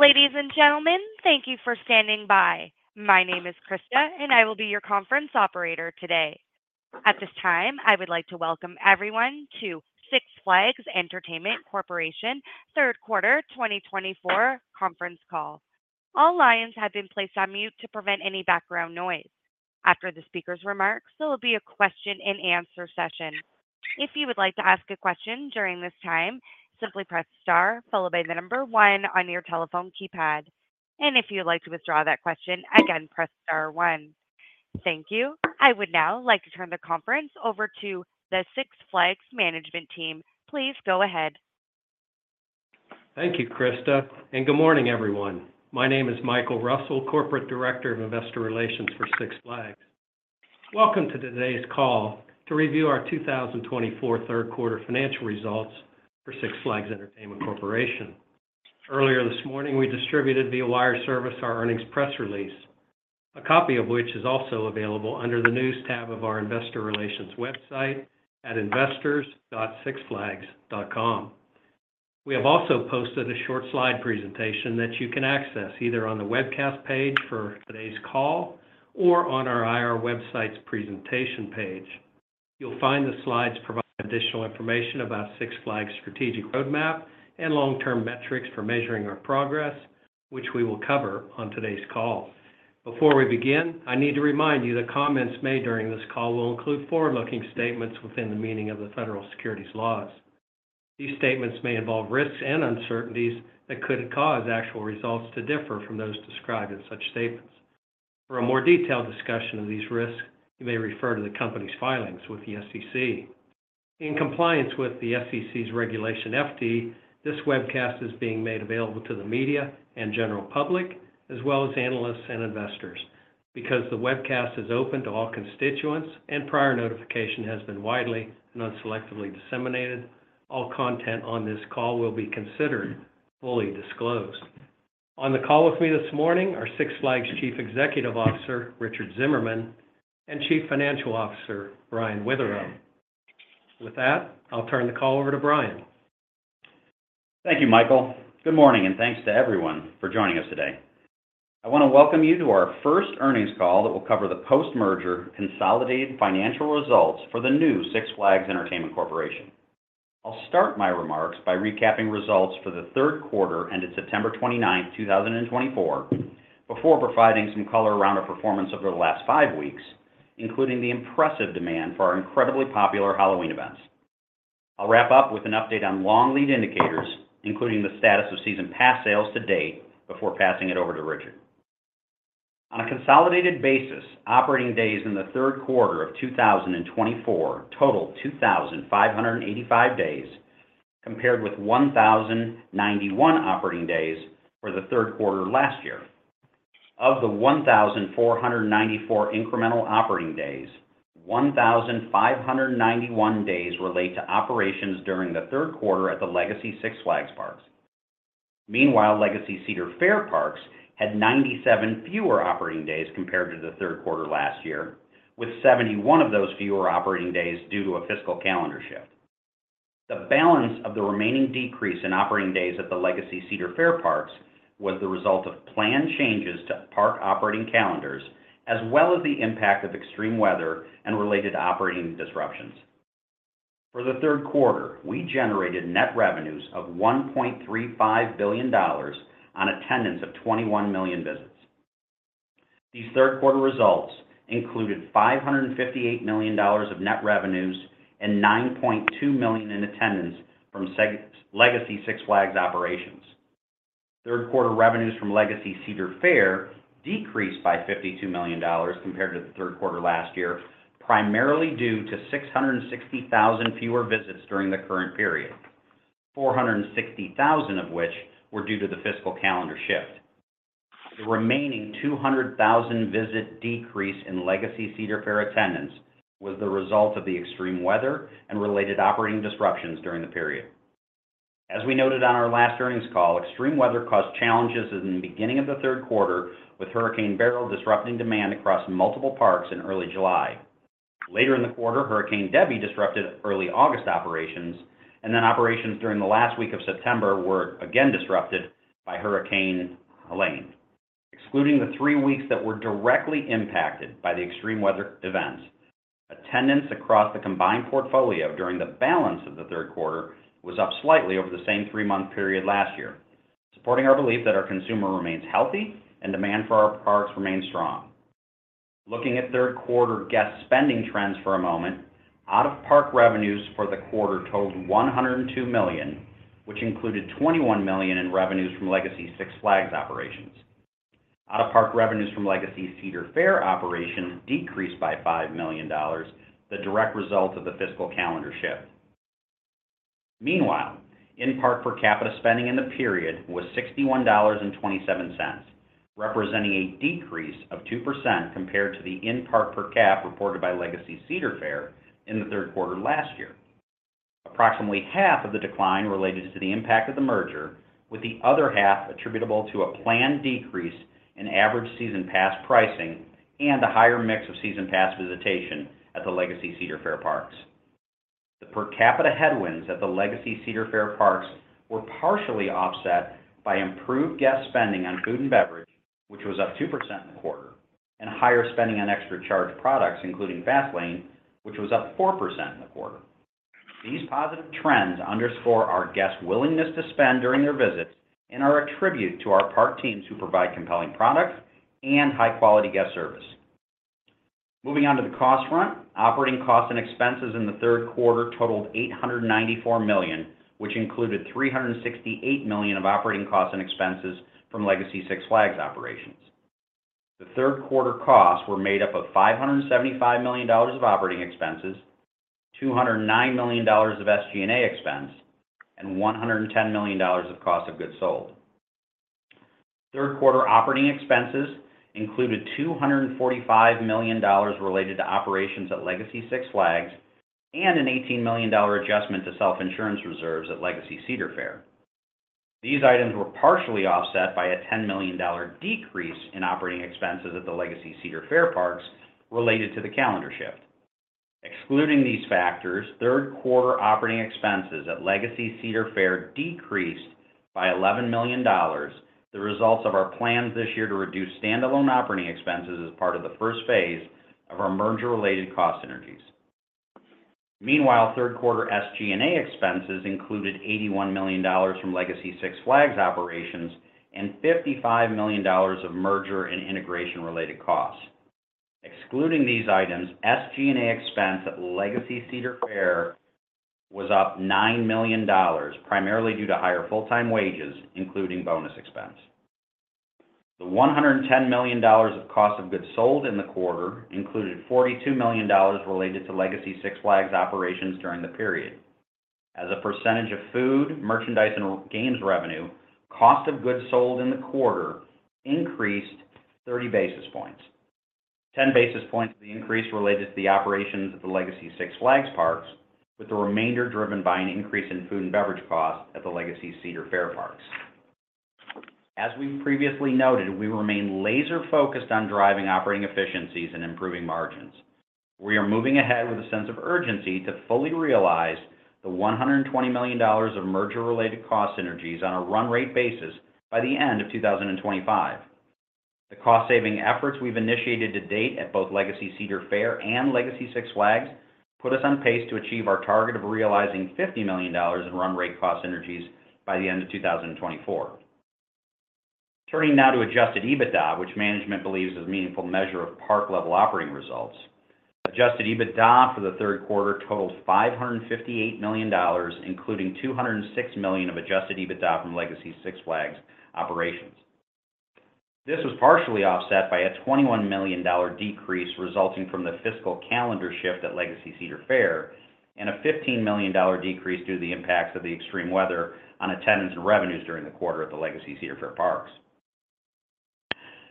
Ladies and gentlemen, thank you for standing by. My name is Krista, and I will be your conference operator today. At this time, I would like to welcome everyone to Six Flags Entertainment Corporation's Q3 2024 Conference Call. All lines have been placed on mute to prevent any background noise. After the speaker's remarks, there will be a question-and-answer session. If you would like to ask a question during this time, simply press star followed by the number one on your telephone keypad. And if you'd like to withdraw that question, again, press star one. Thank you. I would now like to turn the conference over to the Six Flags management team. Please go ahead. Thank you, Krista. And good morning, everyone. My name is Michael Russell, Corporate Director of Investor Relations for Six Flags. Welcome to today's call to review our 2024 Q3 Financial Results for Six Flags Entertainment Corporation. Earlier this morning, we distributed via wire service our earnings press release, a copy of which is also available under the news tab of our investor relations website at investors.sixflags.com. We have also posted a short slide presentation that you can access either on the webcast page for today's call or on our IR website's presentation page. You'll find the slides provide additional information about Six Flags' strategic roadmap and long-term metrics for measuring our progress, which we will cover on today's call. Before we begin, I need to remind you that comments made during this call will include forward-looking statements within the meaning of the federal securities laws. These statements may involve risks and uncertainties that could cause actual results to differ from those described in such statements. For a more detailed discussion of these risks, you may refer to the company's filings with the SEC. In compliance with the SEC's Regulation FD, this webcast is being made available to the media and general public, as well as analysts and investors. Because the webcast is open to all constituents and prior notification has been widely and unselectively disseminated, all content on this call will be considered fully disclosed. On the call with me this morning are Six Flags Chief Executive Officer Richard Zimmerman and Chief Financial Officer Brian Witherow. With that, I'll turn the call over to Brian. Thank you, Michael. Good morning, and thanks to everyone for joining us today. I want to welcome you to our first earnings call that will cover the post-merger consolidated financial results for the new Six Flags Entertainment Corporation. I'll start my remarks by recapping results for the Q3 ended September 29, 2024, before providing some color around our performance over the last five weeks, including the impressive demand for our incredibly popular Halloween events. I'll wrap up with an update on long lead indicators, including the status of season pass sales to date, before passing it over to Richard. On a consolidated basis, operating days in the Q3 of 2024 total 2,585 days, compared with 1,091 operating days for the Q3 last year. Of the 1,494 incremental operating days, 1,591 days relate to operations during the Q3 at the Legacy Six Flags Parks. Meanwhile, Legacy Cedar Fair parks had 97 fewer operating days compared to the Q3 last year, with 71 of those fewer operating days due to a fiscal calendar shift. The balance of the remaining decrease in operating days at the Legacy Cedar Fair parks was the result of planned changes to park operating calendars, as well as the impact of extreme weather and related operating disruptions. For the Q3, we generated net revenues of $1.35 billion on attendance of 21 million visits. These Q3 results included $558 million of net revenues and 9.2 million in attendance from Legacy Six Flags operations. Q3 revenues from Legacy Cedar Fair decreased by $52 million compared to the Q3 last year, primarily due to 660,000 fewer visits during the current period, 460,000 of which were due to the fiscal calendar shift. The remaining 200,000 visit decrease in Legacy Cedar Fair attendance was the result of the extreme weather and related operating disruptions during the period. As we noted on our last earnings call, extreme weather caused challenges in the beginning of the Q3, with Hurricane Beryl disrupting demand across multiple parks in early July. Later in the quarter, Hurricane Debby disrupted early August operations, and then operations during the last week of September were again disrupted by Hurricane Helene. Excluding the three weeks that were directly impacted by the extreme weather events, attendance across the combined portfolio during the balance of the Q3 was up slightly over the same three-month period last year, supporting our belief that our consumer remains healthy and demand for our parks remains strong. Looking at Q3 guest spending trends for a moment, out-of-park revenues for the quarter totaled $102 million, which included $21 million in revenues from Legacy Six Flags operations. Out-of-park revenues from Legacy Cedar Fair operations decreased by $5 million, the direct result of the fiscal calendar shift. Meanwhile, in-park per capita spending in the period was $61.27, representing a decrease of 2% compared to the in-park per cap reported by Legacy Cedar Fair in the Q3 last year. Approximately half of the decline related to the impact of the merger, with the other half attributable to a planned decrease in average season pass pricing and a higher mix of season pass visitation at the Legacy Cedar Fair parks. The per capita headwinds at the Legacy Cedar Fair parks were partially offset by improved guest spending on food and beverage, which was up 2% in the quarter, and higher spending on extra-charge products, including Fast Lane, which was up 4% in the quarter. These positive trends underscore our guests' willingness to spend during their visits and are a tribute to our park teams who provide compelling products and high-quality guest service. Moving on to the cost front, operating costs and expenses in the Q3 totaled $894 million, which included $368 million of operating costs and expenses from Legacy Six Flags operations. The Q3 costs were made up of $575 million of operating expenses, $209 million of SG&A expense, and $110 million of cost of goods sold. Q3 operating expenses included $245 million related to operations at Legacy Six Flags and an $18 million adjustment to self-insurance reserves at Legacy Cedar Fair. These items were partially offset by a $10 million decrease in operating expenses at the Legacy Cedar Fair parks related to the calendar shift. Excluding these factors, Q3 operating expenses at Legacy Cedar Fair decreased by $11 million, the results of our plans this year to reduce standalone operating expenses as part of the first phase of our merger-related cost synergies. Meanwhile, Q3 SG&A expenses included $81 million from Legacy Six Flags operations and $55 million of merger and integration-related costs. Excluding these items, SG&A expense at Legacy Cedar Fair was up $9 million, primarily due to higher full-time wages, including bonus expense. The $110 million of cost of goods sold in the quarter included $42 million related to Legacy Six Flags operations during the period. As a percentage of food, merchandise, and games revenue, cost of goods sold in the quarter increased 30 basis points. 10 basis points of the increase related to the operations at the Legacy Six Flags parks, with the remainder driven by an increase in food and beverage costs at the Legacy Cedar Fair parks. As we've previously noted, we remain laser-focused on driving operating efficiencies and improving margins. We are moving ahead with a sense of urgency to fully realize the $120 million of merger-related cost synergies on a run-rate basis by the end of 2025. The cost-saving efforts we've initiated to date at both Legacy Cedar Fair and Legacy Six Flags put us on pace to achieve our target of realizing $50 million in run-rate cost synergies by the end of 2024. Turning now to adjusted EBITDA, which management believes is a meaningful measure of park-level operating results. Adjusted EBITDA for the Q3 totaled $558 million, including $206 million of adjusted EBITDA from Legacy Six Flags operations. This was partially offset by a $21 million decrease resulting from the fiscal calendar shift at Legacy Cedar Fair and a $15 million decrease due to the impacts of the extreme weather on attendance and revenues during the quarter at the Legacy Cedar Fair parks.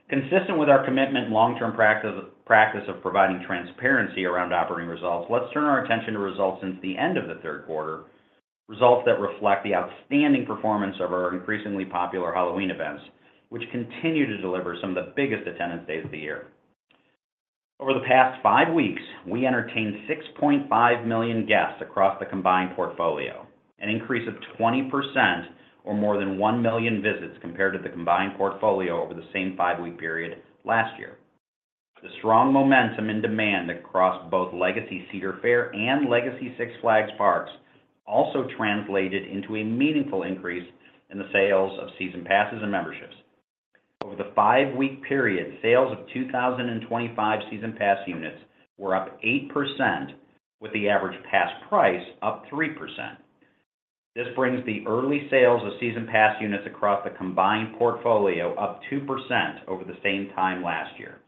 Consistent with our commitment and long-term practice of providing transparency around operating results, let's turn our attention to results since the end of the Q3, results that reflect the outstanding performance of our increasingly popular Halloween events, which continue to deliver some of the biggest attendance days of the year. Over the past five weeks, we entertained 6.5 million guests across the combined portfolio, an increase of 20% or more than 1 million visits compared to the combined portfolio over the same five-week period last year. The strong momentum in demand across both Legacy Cedar Fair and Legacy Six Flags parks also translated into a meaningful increase in the sales of season passes and memberships. Over the five-week period, sales of 2025 season pass units were up 8%, with the average pass price up 3%. This brings the early sales of season pass units across the combined portfolio up 2% over the same time last year.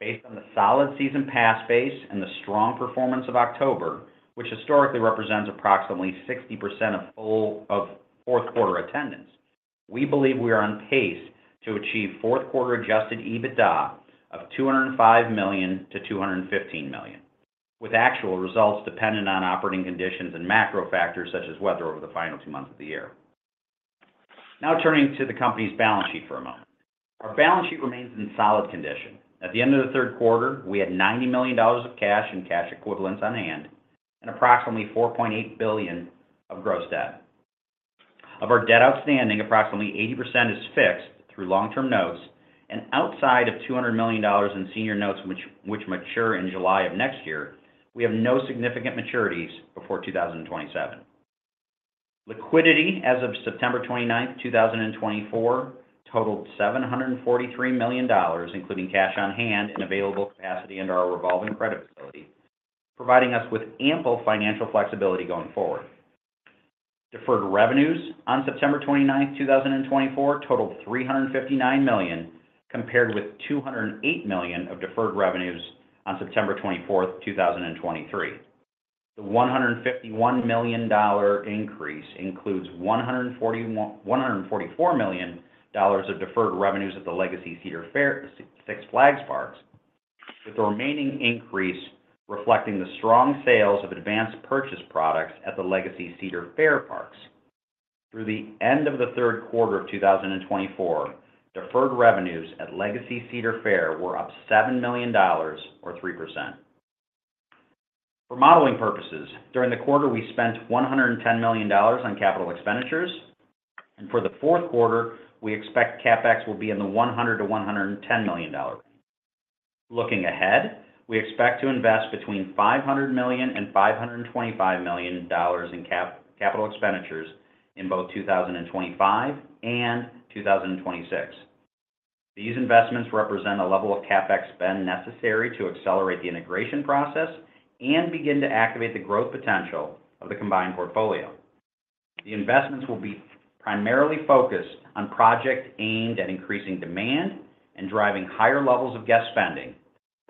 Based on the solid season pass base and the strong performance of October, which historically represents approximately 60% of Q4 attendance, we believe we are on pace to achieve Q4 adjusted EBITDA of $205 million to 215 million, with actual results dependent on operating conditions and macro factors such as weather over the final two months of the year. Now, turning to the company's balance sheet for a moment. Our balance sheet remains in solid condition. At the end of the Q3, we had $90 million of cash and cash equivalents on hand and approximately $4.8 billion of gross debt. Of our debt outstanding, approximately 80% is fixed through long-term notes, and outside of $200 million in senior notes, which mature in July of next year, we have no significant maturities before 2027. Liquidity as of September 29, 2024, totaled $743 million, including cash on hand and available capacity under our revolving credit facility, providing us with ample financial flexibility going forward. Deferred revenues on September 29, 2024, totaled $359 million, compared with $208 million of deferred revenues on September 24, 2023. The $151 million increase includes $144 million of deferred revenues at the Legacy Cedar Fair Six Flags parks, with the remaining increase reflecting the strong sales of advanced purchase products at the Legacy Cedar Fair parks. Through the end of the Q3 of 2024, deferred revenues at Legacy Cedar Fair were up $7 million or 3%. For modeling purposes, during the quarter, we spent $110 million on capital expenditures, and for the Q4, we expect CapEx will be in the $100 to 110 million. Looking ahead, we expect to invest between $500 million and $525 million in capital expenditures in both 2025 and 2026. These investments represent a level of CapEx spend necessary to accelerate the integration process and begin to activate the growth potential of the combined portfolio. The investments will be primarily focused on projects aimed at increasing demand and driving higher levels of guest spending,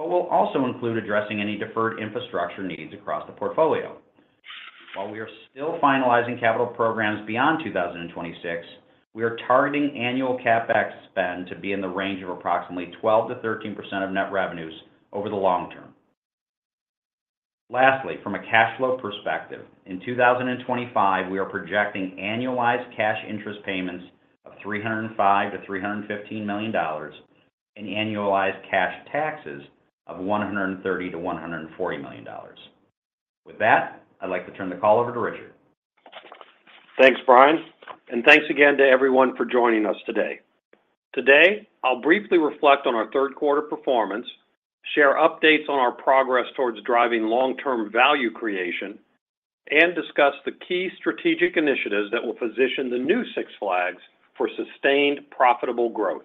but will also include addressing any deferred infrastructure needs across the portfolio. While we are still finalizing capital programs beyond 2026, we are targeting annual CapEx spend to be in the range of approximately 12% to 13% of net revenues over the long-term. Lastly, from a cash flow perspective, in 2025, we are projecting annualized cash interest payments of $305 to 315 million and annualized cash taxes of $130 to 140 million. With that, I'd like to turn the call over to Richard. Thanks, Brian, and thanks again to everyone for joining us today. Today, I'll briefly reflect on our Q3 performance, share updates on our progress towards driving long-term value creation, and discuss the key strategic initiatives that will position the new Six Flags for sustained profitable growth.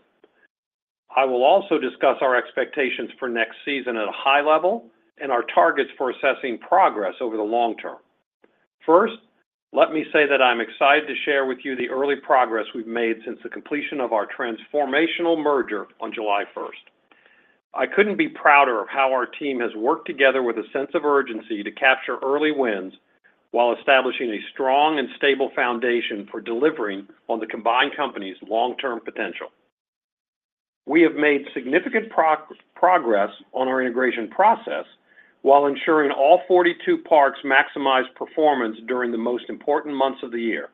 I will also discuss our expectations for next season at a high level and our targets for assessing progress over the long-term. First, let me say that I'm excited to share with you the early progress we've made since the completion of our transformational merger on July 1st. I couldn't be prouder of how our team has worked together with a sense of urgency to capture early wins while establishing a strong and stable foundation for delivering on the combined company's long-term potential. We have made significant progress on our integration process while ensuring all 42 parks maximized performance during the most important months of the year.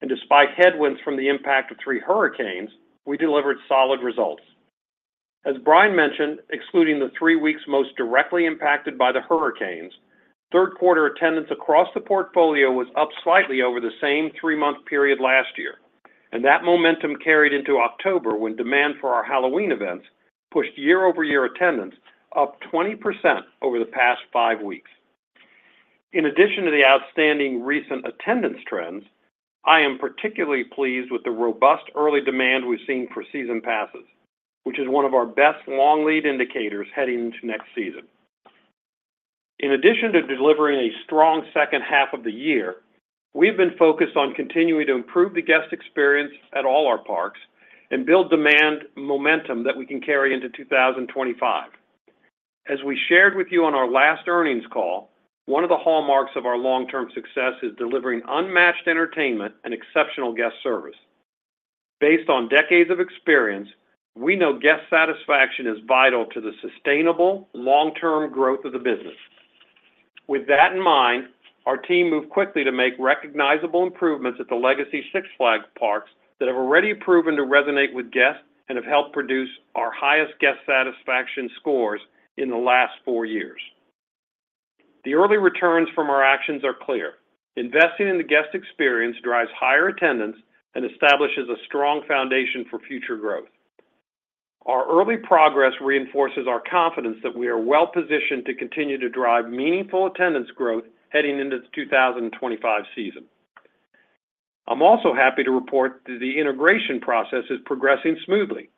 And despite headwinds from the impact of three hurricanes, we delivered solid results. As Brian mentioned, excluding the three weeks most directly impacted by the hurricanes, Q3 attendance across the portfolio was up slightly over the same three-month period last year. And that momentum carried into October when demand for our Halloween events pushed year-over-year attendance up 20% over the past five weeks. In addition to the outstanding recent attendance trends, I am particularly pleased with the robust early demand we've seen for season passes, which is one of our best long lead indicators heading into next season. In addition to delivering a strong second half of the year, we've been focused on continuing to improve the guest experience at all our parks and build demand momentum that we can carry into 2025. As we shared with you on our last earnings call, one of the hallmarks of our long-term success is delivering unmatched entertainment and exceptional guest service. Based on decades of experience, we know guest satisfaction is vital to the sustainable long-term growth of the business. With that in mind, our team moved quickly to make recognizable improvements at the Legacy Six Flags parks that have already proven to resonate with guests and have helped produce our highest guest satisfaction scores in the last four years. The early returns from our actions are clear. Investing in the guest experience drives higher attendance and establishes a strong foundation for future growth. Our early progress reinforces our confidence that we are well-positioned to continue to drive meaningful attendance growth heading into the 2025 season. I'm also happy to report that the integration process is progressing smoothly.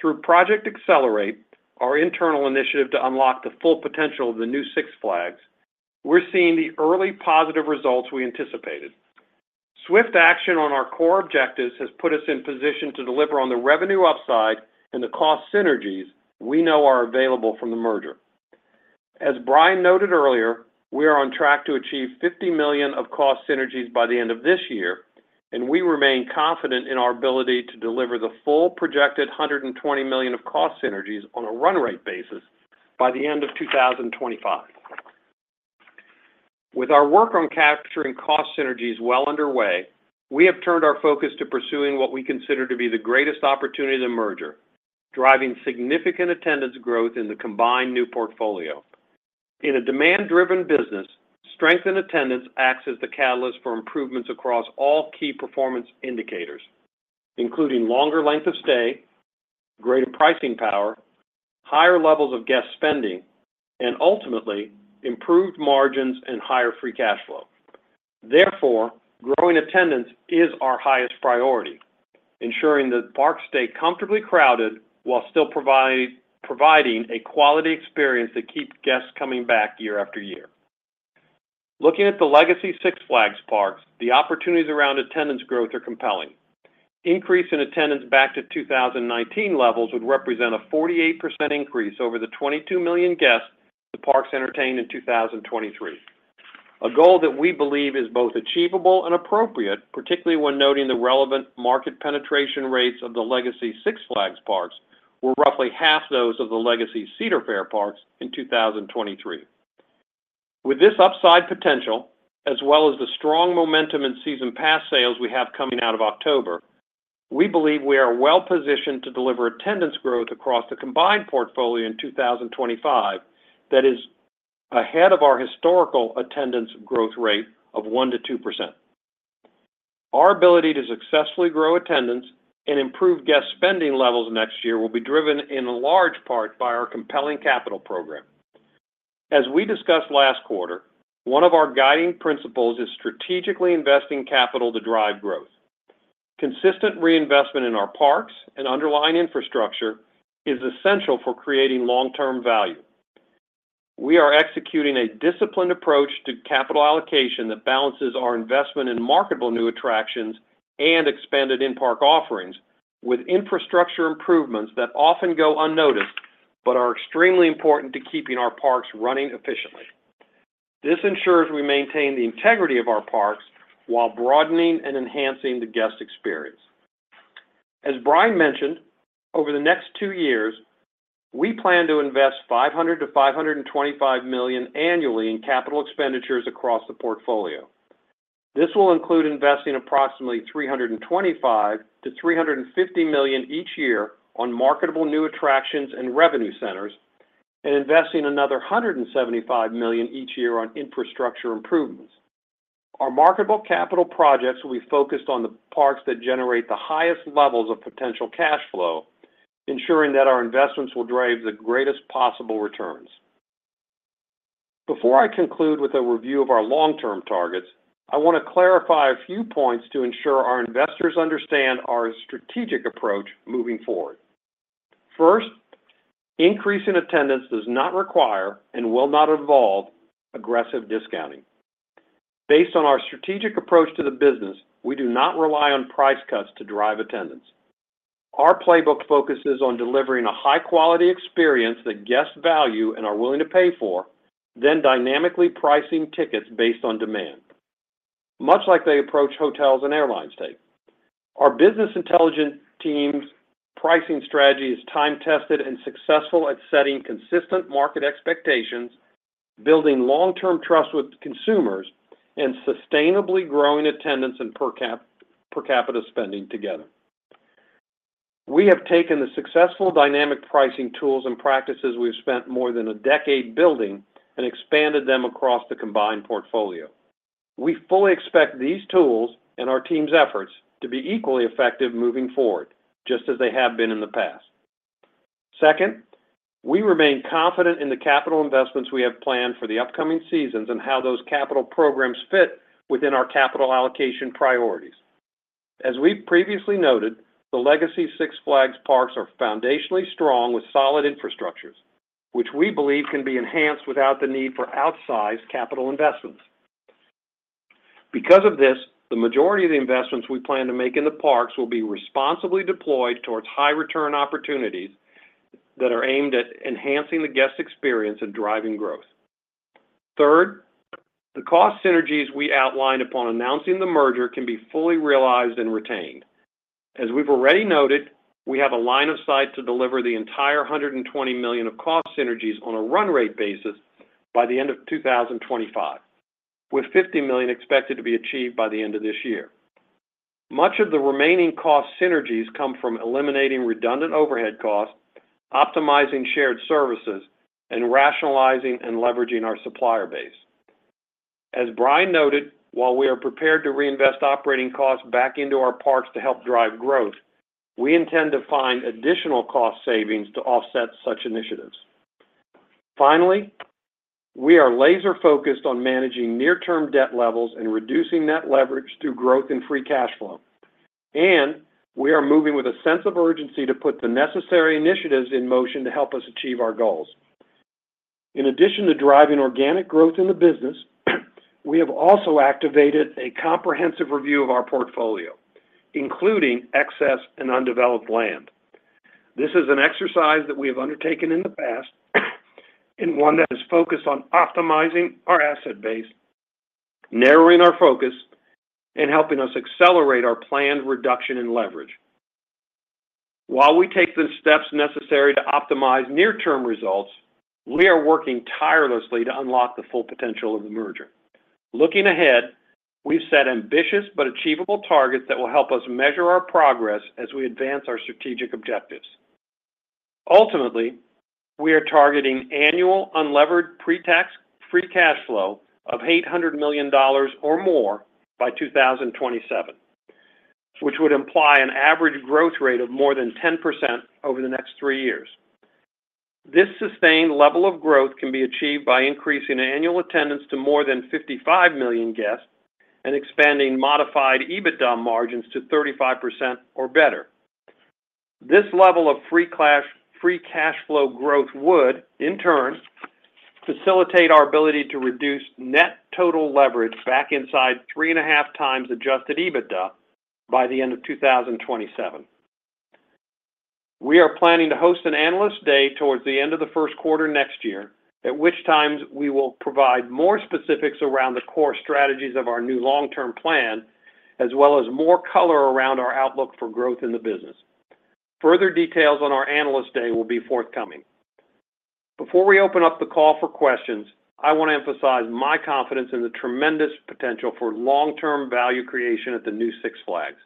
Through Project Accelerate, our internal initiative to unlock the full potential of the new Six Flags, we're seeing the early positive results we anticipated. Swift action on our core objectives has put us in position to deliver on the revenue upside and the cost synergies we know are available from the merger. As Brian noted earlier, we are on track to achieve $50 million of cost synergies by the end of this year, and we remain confident in our ability to deliver the full projected $120 million of cost synergies on a run-rate basis by the end of 2025. With our work on capturing cost synergies well underway, we have turned our focus to pursuing what we consider to be the greatest opportunity of the merger, driving significant attendance growth in the combined new portfolio. In a demand-driven business, strength in attendance acts as the catalyst for improvements across all key performance indicators, including longer length of stay, greater pricing power, higher levels of guest spending, and ultimately, improved margins and higher free cash flow. Therefore, growing attendance is our highest priority, ensuring that parks stay comfortably crowded while still providing a quality experience that keeps guests coming back year after year. Looking at the Legacy Six Flags parks, the opportunities around attendance growth are compelling. Increase in attendance back to 2019 levels would represent a 48% increase over the 22 million guests the parks entertained in 2023. A goal that we believe is both achievable and appropriate, particularly when noting the relevant market penetration rates of the Legacy Six Flags parks were roughly half those of the Legacy Cedar Fair parks in 2023. With this upside potential, as well as the strong momentum in season pass sales we have coming out of October, we believe we are well-positioned to deliver attendance growth across the combined portfolio in 2025 that is ahead of our historical attendance growth rate of 1% to 2%. Our ability to successfully grow attendance and improve guest spending levels next year will be driven in large part by our compelling capital program. As we discussed last quarter, one of our guiding principles is strategically investing capital to drive growth. Consistent reinvestment in our parks and underlying infrastructure is essential for creating long-term value. We are executing a disciplined approach to capital allocation that balances our investment in marketable new attractions and expanded in-park offerings with infrastructure improvements that often go unnoticed but are extremely important to keeping our parks running efficiently. This ensures we maintain the integrity of our parks while broadening and enhancing the guest experience. As Brian mentioned, over the next two years, we plan to invest $500 to 525 million annually in capital expenditures across the portfolio. This will include investing approximately $325 to 350 million each year on marketable new attractions and revenue centers and investing another $175 million each year on infrastructure improvements. Our marketable capital projects will be focused on the parks that generate the highest levels of potential cash flow, ensuring that our investments will drive the greatest possible returns. Before I conclude with a review of our long-term targets, I want to clarify a few points to ensure our investors understand our strategic approach moving forward. First, increase in attendance does not require and will not involve aggressive discounting. Based on our strategic approach to the business, we do not rely on price cuts to drive attendance. Our playbook focuses on delivering a high-quality experience that guests value and are willing to pay for, then dynamically pricing tickets based on demand, much like the approach hotels and airlines take. Our business intelligence team's pricing strategy is time-tested and successful at setting consistent market expectations, building long-term trust with consumers, and sustainably growing attendance and per capita spending together. We have taken the successful dynamic pricing tools and practices we have spent more than a decade building and expanded them across the combined portfolio. We fully expect these tools and our team's efforts to be equally effective moving forward, just as they have been in the past. Second, we remain confident in the capital investments we have planned for the upcoming seasons and how those capital programs fit within our capital allocation priorities. As we've previously noted, the Legacy Six Flags parks are foundationally strong with solid infrastructures, which we believe can be enhanced without the need for outsized capital investments. Because of this, the majority of the investments we plan to make in the parks will be responsibly deployed towards high-return opportunities that are aimed at enhancing the guest experience and driving growth. Third, the cost synergies we outlined upon announcing the merger can be fully realized and retained. As we've already noted, we have a line of sight to deliver the entire $120 million of cost synergies on a run-rate basis by the end of 2025, with $50 million expected to be achieved by the end of this year. Much of the remaining cost synergies come from eliminating redundant overhead costs, optimizing shared services, and rationalizing and leveraging our supplier base. As Brian noted, while we are prepared to reinvest operating costs back into our parks to help drive growth, we intend to find additional cost savings to offset such initiatives. Finally, we are laser-focused on managing near-term debt levels and reducing net leverage through growth and free cash flow, and we are moving with a sense of urgency to put the necessary initiatives in motion to help us achieve our goals. In addition to driving organic growth in the business, we have also activated a comprehensive review of our portfolio, including excess and undeveloped land. This is an exercise that we have undertaken in the past and one that is focused on optimizing our asset base, narrowing our focus, and helping us accelerate our planned reduction in leverage. While we take the steps necessary to optimize near-term results, we are working tirelessly to unlock the full potential of the merger. Looking ahead, we've set ambitious but achievable targets that will help us measure our progress as we advance our strategic objectives. Ultimately, we are targeting annual unlevered pre-tax free cash flow of $800 million or more by 2027, which would imply an average growth rate of more than 10% over the next three years. This sustained level of growth can be achieved by increasing annual attendance to more than 55 million guests and expanding modified EBITDA margins to 35% or better. This level of free cash flow growth would, in turn, facilitate our ability to reduce net total leverage back inside three and a half times adjusted EBITDA by the end of 2027. We are planning to host an analyst day towards the end of the Q1 next year, at which time we will provide more specifics around the core strategies of our new long-term plan, as well as more color around our outlook for growth in the business. Further details on our analyst day will be forthcoming. Before we open up the call for questions, I want to emphasize my confidence in the tremendous potential for long-term value creation at the new Six Flags.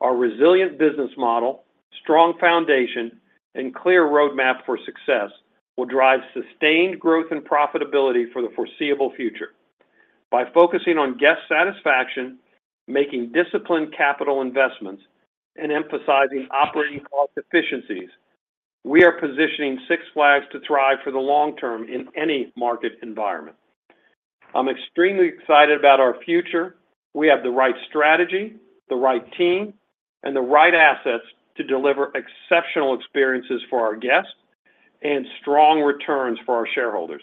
Our resilient business model, strong foundation, and clear roadmap for success will drive sustained growth and profitability for the foreseeable future. By focusing on guest satisfaction, making disciplined capital investments, and emphasizing operating cost efficiencies, we are positioning Six Flags to thrive for the long-term in any market environment. I'm extremely excited about our future. We have the right strategy, the right team, and the right assets to deliver exceptional experiences for our guests and strong returns for our shareholders.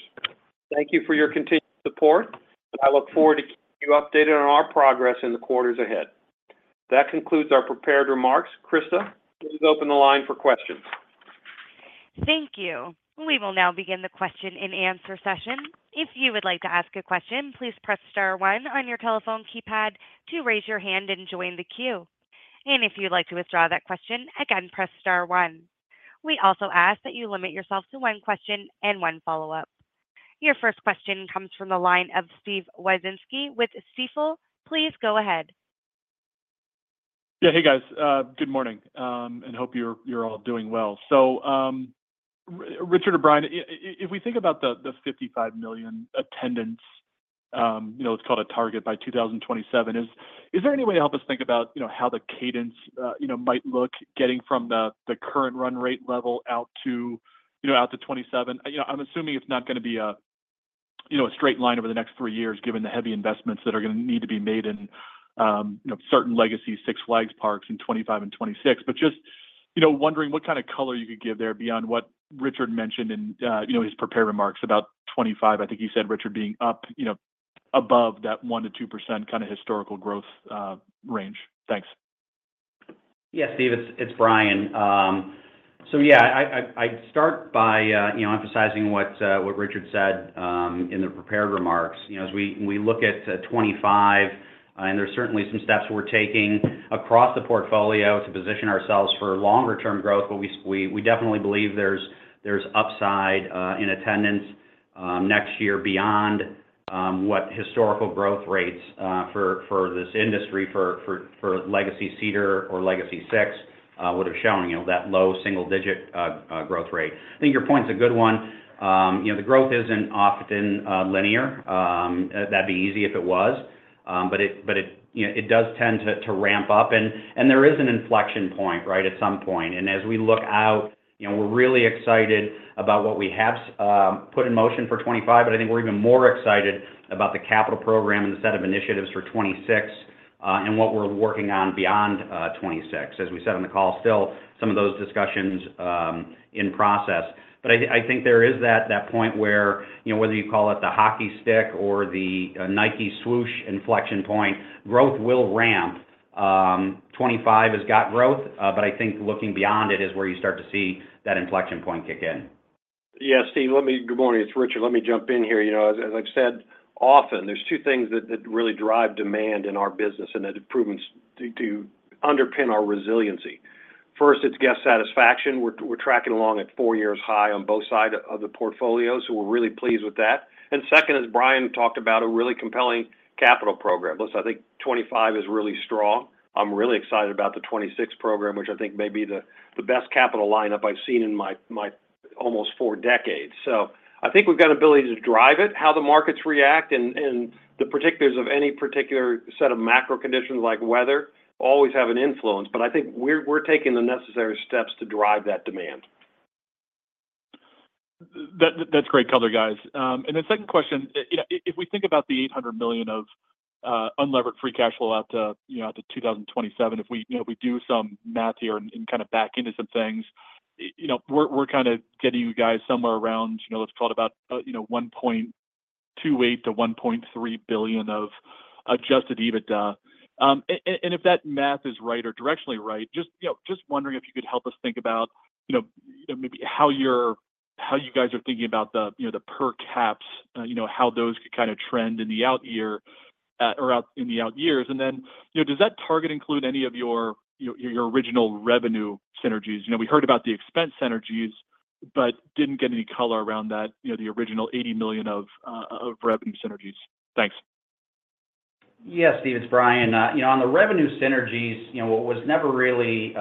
Thank you for your continued support, and I look forward to keeping you updated on our progress in the quarters ahead. That concludes our prepared remarks. Krista, please open the line for questions. Thank you. We will now begin the question and answer session. If you would like to ask a question, please press star one on your telephone keypad to raise your hand and join the queue, and if you'd like to withdraw that question, again, press star one. We also ask that you limit yourself to one question and one follow-up. Your first question comes from the line of Steven Wieczynski with Stifel. Please go ahead. Yeah. Hey, guys. Good morning, and hope you're all doing well. So Richard or Brian, if we think about the $55 million attendance, it's called a target by 2027, is there any way to help us think about how the cadence might look getting from the current run-rate level out to 2027? I'm assuming it's not going to be a straight line over the next three years given the heavy investments that are going to need to be made in certain Legacy Six Flags parks in 2025 and 2026. Just wondering what kind of color you could give there beyond what Richard mentioned in his prepared remarks about 2025. I think you said Richard being up above that 1% to 2% kind of historical growth range. Thanks. Yes, Steve. It's Brian. Yeah, I'd start by emphasizing what Richard said in the prepared remarks. As we look at 2025, and there's certainly some steps we're taking across the portfolio to position ourselves for longer-term growth, but we definitely believe there's upside in attendance next year beyond what historical growth rates for this industry for Legacy Cedar or Legacy Six would have shown, that low single-digit growth rate. I think your point's a good one. The growth isn't often linear. That'd be easy if it was, but it does tend to ramp up. And there is an inflection point, right, at some point. And as we look out, we're really excited about what we have put in motion for 2025, but I think we're even more excited about the capital program and the set of initiatives for 2026 and what we're working on beyond 2026. As we said on the call, still some of those discussions in process. I think there is that point where whether you call it the hockey stick or the Nike Swoosh inflection point, growth will ramp. 2025 has got growth, but I think looking beyond it is where you start to see that inflection point kick in. Yeah. Steve, good morning. It's Richard. Let me jump in here. As I've said often, there are two things that really drive demand in our business and that have proven to underpin our resiliency. First, it's guest satisfaction. We're tracking along at four-year high on both sides of the portfolio, so we're really pleased with that. And second, as Brian talked about, a really compelling capital program. Listen, I think 2025 is really strong. I'm really excited about the 2026 program, which I think may be the best capital lineup I've seen in my almost four decades. I think we've got ability to drive it. How the markets react and the particulars of any particular set of macro conditions like weather always have an influence, but I think we're taking the necessary steps to drive that demand. That's great color, guys. And then second question, if we think about the $800 million of unlevered free cash flow out to 2027, if we do some math here and kind of back into some things, we're kind of getting you guys somewhere around, let's call it about $1.28 to 1.3 billion of Adjusted EBITDA. And if that math is right or directionally right, just wondering if you could help us think about maybe how you guys are thinking about the per caps, how those could kind of trend in the out years. And then does that target include any of your original revenue synergies? We heard about the expense synergies but didn't get any color around the original $80 million of revenue synergies. Thanks. Yes, Steve. It's Brian. On the revenue synergies, what was never really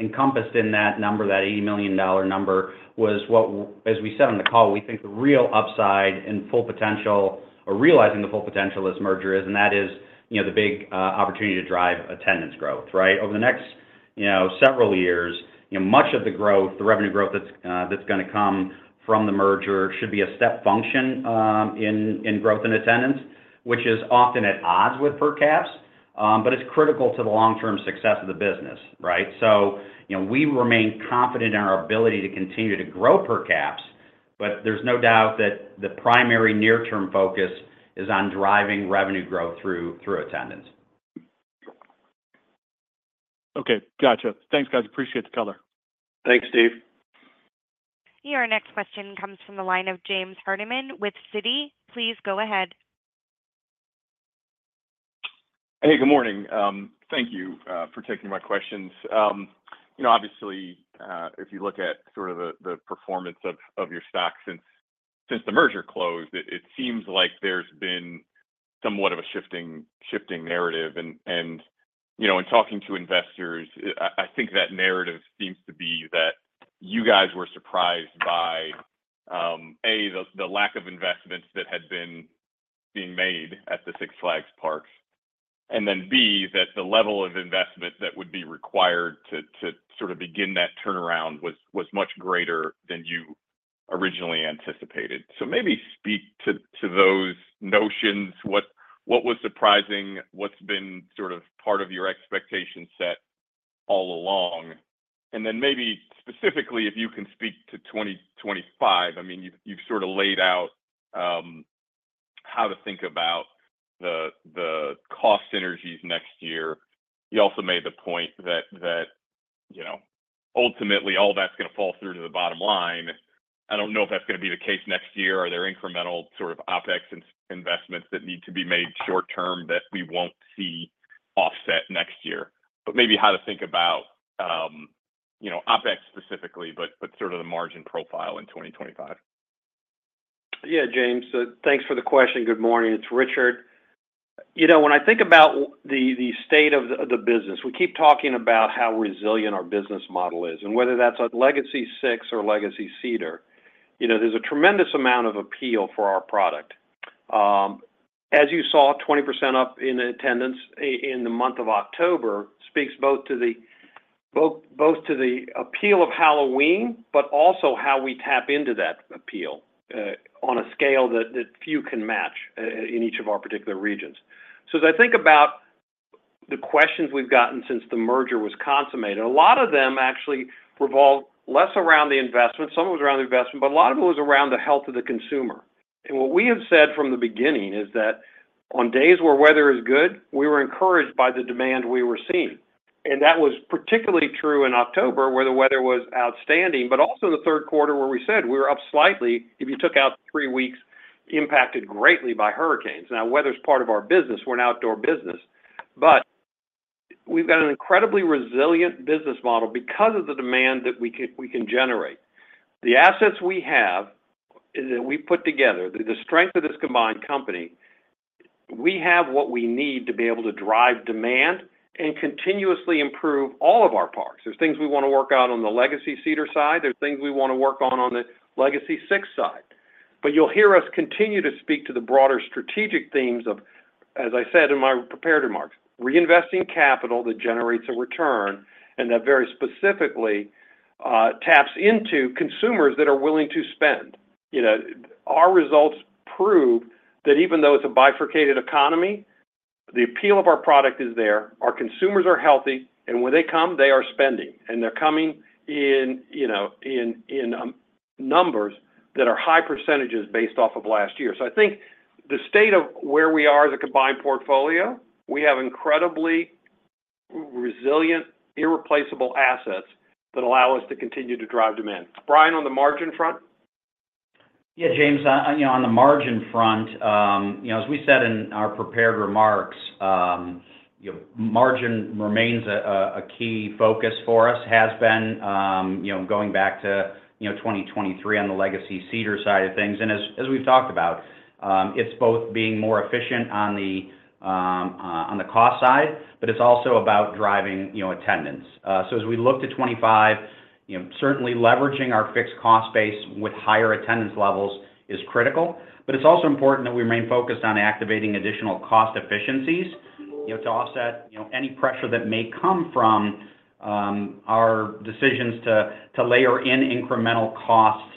encompassed in that number, that $80 million number, was what, as we said on the call, we think the real upside and full potential or realizing the full potential of this merger is, and that is the big opportunity to drive attendance growth, right? Over the next several years, much of the revenue growth that's going to come from the merger should be a step function in growth and attendance, which is often at odds with per caps, but it's critical to the long-term success of the business, right? So we remain confident in our ability to continue to grow per caps, but there's no doubt that the primary near-term focus is on driving revenue growth through attendance. Okay. Gotcha. Thanks, guys. Appreciate the color. Thanks, Steve. Your next question comes from the line of James Hardiman with Citi. Please go ahead. Hey, good morning. Thank you for taking my questions. Obviously, if you look at sort of the performance of your stock since the merger closed, it seems like there's been somewhat of a shifting narrative. And in talking to investors, I think that narrative seems to be that you guys were surprised by, A, the lack of investments that had been being made at the Six Flags parks, and then B, that the level of investment that would be required to sort of begin that turnaround was much greater than you originally anticipated. So maybe speak to those notions. What was surprising? What's been sort of part of your expectation set all along? And then maybe specifically, if you can speak to 2025, I mean, you've sort of laid out how to think about the cost synergies next year. You also made the point that ultimately all that's going to fall through to the bottom line. I don't know if that's going to be the case next year. Are there incremental sort of OpEx investments that need to be made short-term that we won't see offset next year, but maybe how to think about OpEx specifically, but sort of the margin profile in 2025. Yeah, James. Thanks for the question. Good morning. It's Richard. When I think about the state of the business, we keep talking about how resilient our business model is. And whether that's a Legacy Six or Legacy Cedar, there's a tremendous amount of appeal for our product. As you saw, 20% up in attendance in the month of October speaks both to the appeal of Halloween, but also how we tap into that appeal on a scale that few can match in each of our particular regions. As I think about the questions we've gotten since the merger was consummated, a lot of them actually revolve less around the investment. Some of it was around the investment, but a lot of it was around the health of the consumer. And what we have said from the beginning is that on days where weather is good, we were encouraged by the demand we were seeing. And that was particularly true in October where the weather was outstanding, but also in the Q3 where we said we were up slightly. If you took out three weeks impacted greatly by hurricanes. Now, weather's part of our business. We're an outdoor business. We've got an incredibly resilient business model because of the demand that we can generate. The assets we have that we've put together, the strength of this combined company, we have what we need to be able to drive demand and continuously improve all of our parks. There's things we want to work on on the Legacy Cedar side. There's things we want to work on on the Legacy Six side. But you'll hear us continue to speak to the broader strategic themes of, as I said in my prepared remarks, reinvesting capital that generates a return and that very specifically taps into consumers that are willing to spend. Our results prove that even though it's a bifurcated economy, the appeal of our product is there. Our consumers are healthy, and when they come, they are spending. And they're coming in numbers that are high percentages based off of last year. I think the state of where we are as a combined portfolio, we have incredibly resilient, irreplaceable assets that allow us to continue to drive demand. Brian, on the margin front? Yeah, James. On the margin front, as we said in our prepared remarks, margin remains a key focus for us, has been going back to 2023 on the Legacy Cedar side of things. And as we've talked about, it's both being more efficient on the cost side, but it's also about driving attendance. As we look to 2025, certainly leveraging our fixed cost base with higher attendance levels is critical, but it's also important that we remain focused on activating additional cost efficiencies to offset any pressure that may come from our decisions to layer in incremental costs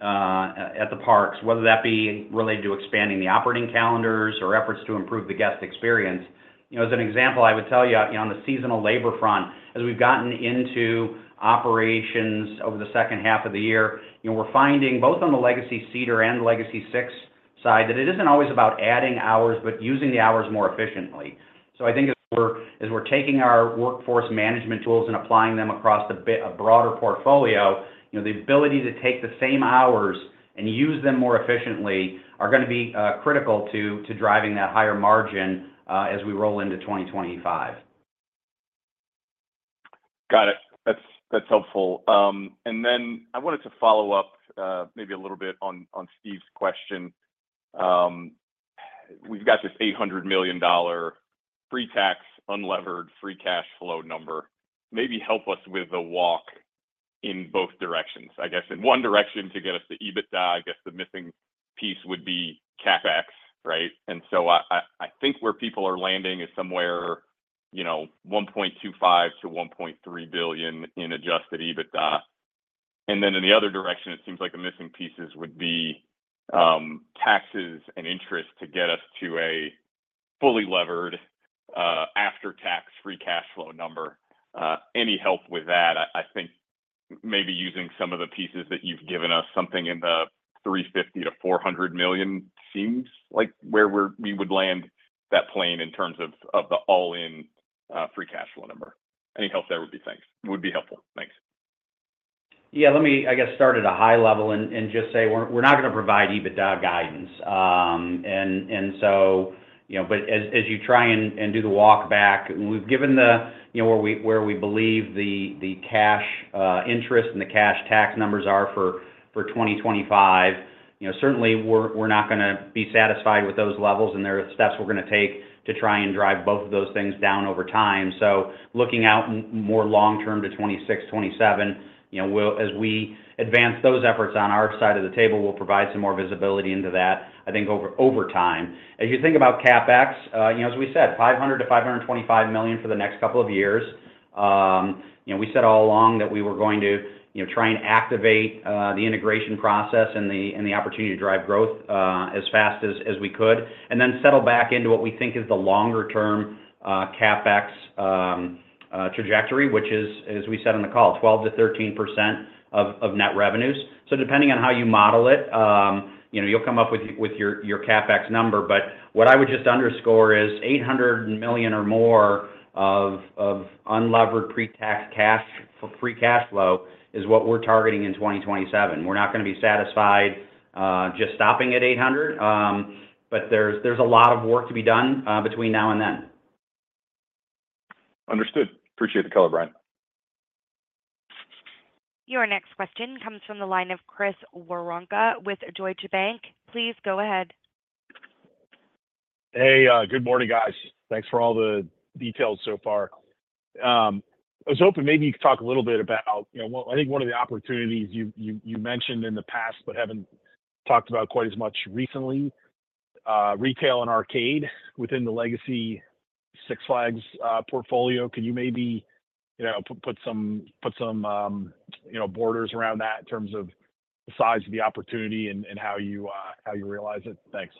at the parks, whether that be related to expanding the operating calendars or efforts to improve the guest experience. As an example, I would tell you on the seasonal labor front, as we've gotten into operations over the second half of the year, we're finding both on the Legacy Cedar and Legacy Six side that it isn't always about adding hours, but using the hours more efficiently. I think as we're taking our workforce management tools and applying them across a broader portfolio, the ability to take the same hours and use them more efficiently are going to be critical to driving that higher margin as we roll into 2025. Got it. That's helpful. And then I wanted to follow up maybe a little bit on Steve's question. We've got this $800 million pre-tax, unlevered free cash flow number. Maybe help us with the walk in both directions. I guess in one direction to get us to EBITDA, I guess the missing piece would be CapEx, right? And so I think where people are landing is somewhere $1.25 to 1.3 billion in adjusted EBITDA. And then in the other direction, it seems like the missing pieces would be taxes and interest to get us to a fully levered after-tax free cash flow number. Any help with that? I think maybe using some of the pieces that you've given us, something in the $350 to 400 million seems like where we would land that plane in terms of the all-in free cash flow number. Any help there would be helpful. Thanks. Yeah. Let me, I guess, start at a high level and just say we're not going to provide EBITDA guidance. And so, but as you try and do the walk back, and we've given the where we believe the cash interest and the cash tax numbers are for 2025, certainly we're not going to be satisfied with those levels, and there are steps we're going to take to try and drive both of those things down over time. Looking out more long-term to 2026, 2027, as we advance those efforts on our side of the table, we'll provide some more visibility into that, I think, over time. As you think about CapEx, as we said, $500 million to 525 million for the next couple of years. We said all along that we were going to try and activate the integration process and the opportunity to drive growth as fast as we could, and then settle back into what we think is the longer-term CapEx trajectory, which is, as we said on the call, 12% to 13% of net revenues, so depending on how you model it, you'll come up with your CapEx number, but what I would just underscore is $800 million or more of unlevered pre-tax cash flow is what we're targeting in 2027. We're not going to be satisfied just stopping at $800 million, but there's a lot of work to be done between now and then. Understood. Appreciate the color, Brian. Your next question comes from the line of Chris Woronka with Deutsche Bank. Please go ahead. Hey, good morning, guys. Thanks for all the details so far. I was hoping maybe you could talk a little bit about, I think, one of the opportunities you mentioned in the past, but haven't talked about quite as much recently, retail and arcade within the Legacy Six Flags portfolio. Can you maybe put some boundaries around that in terms of the size of the opportunity and how you realize it? Thanks.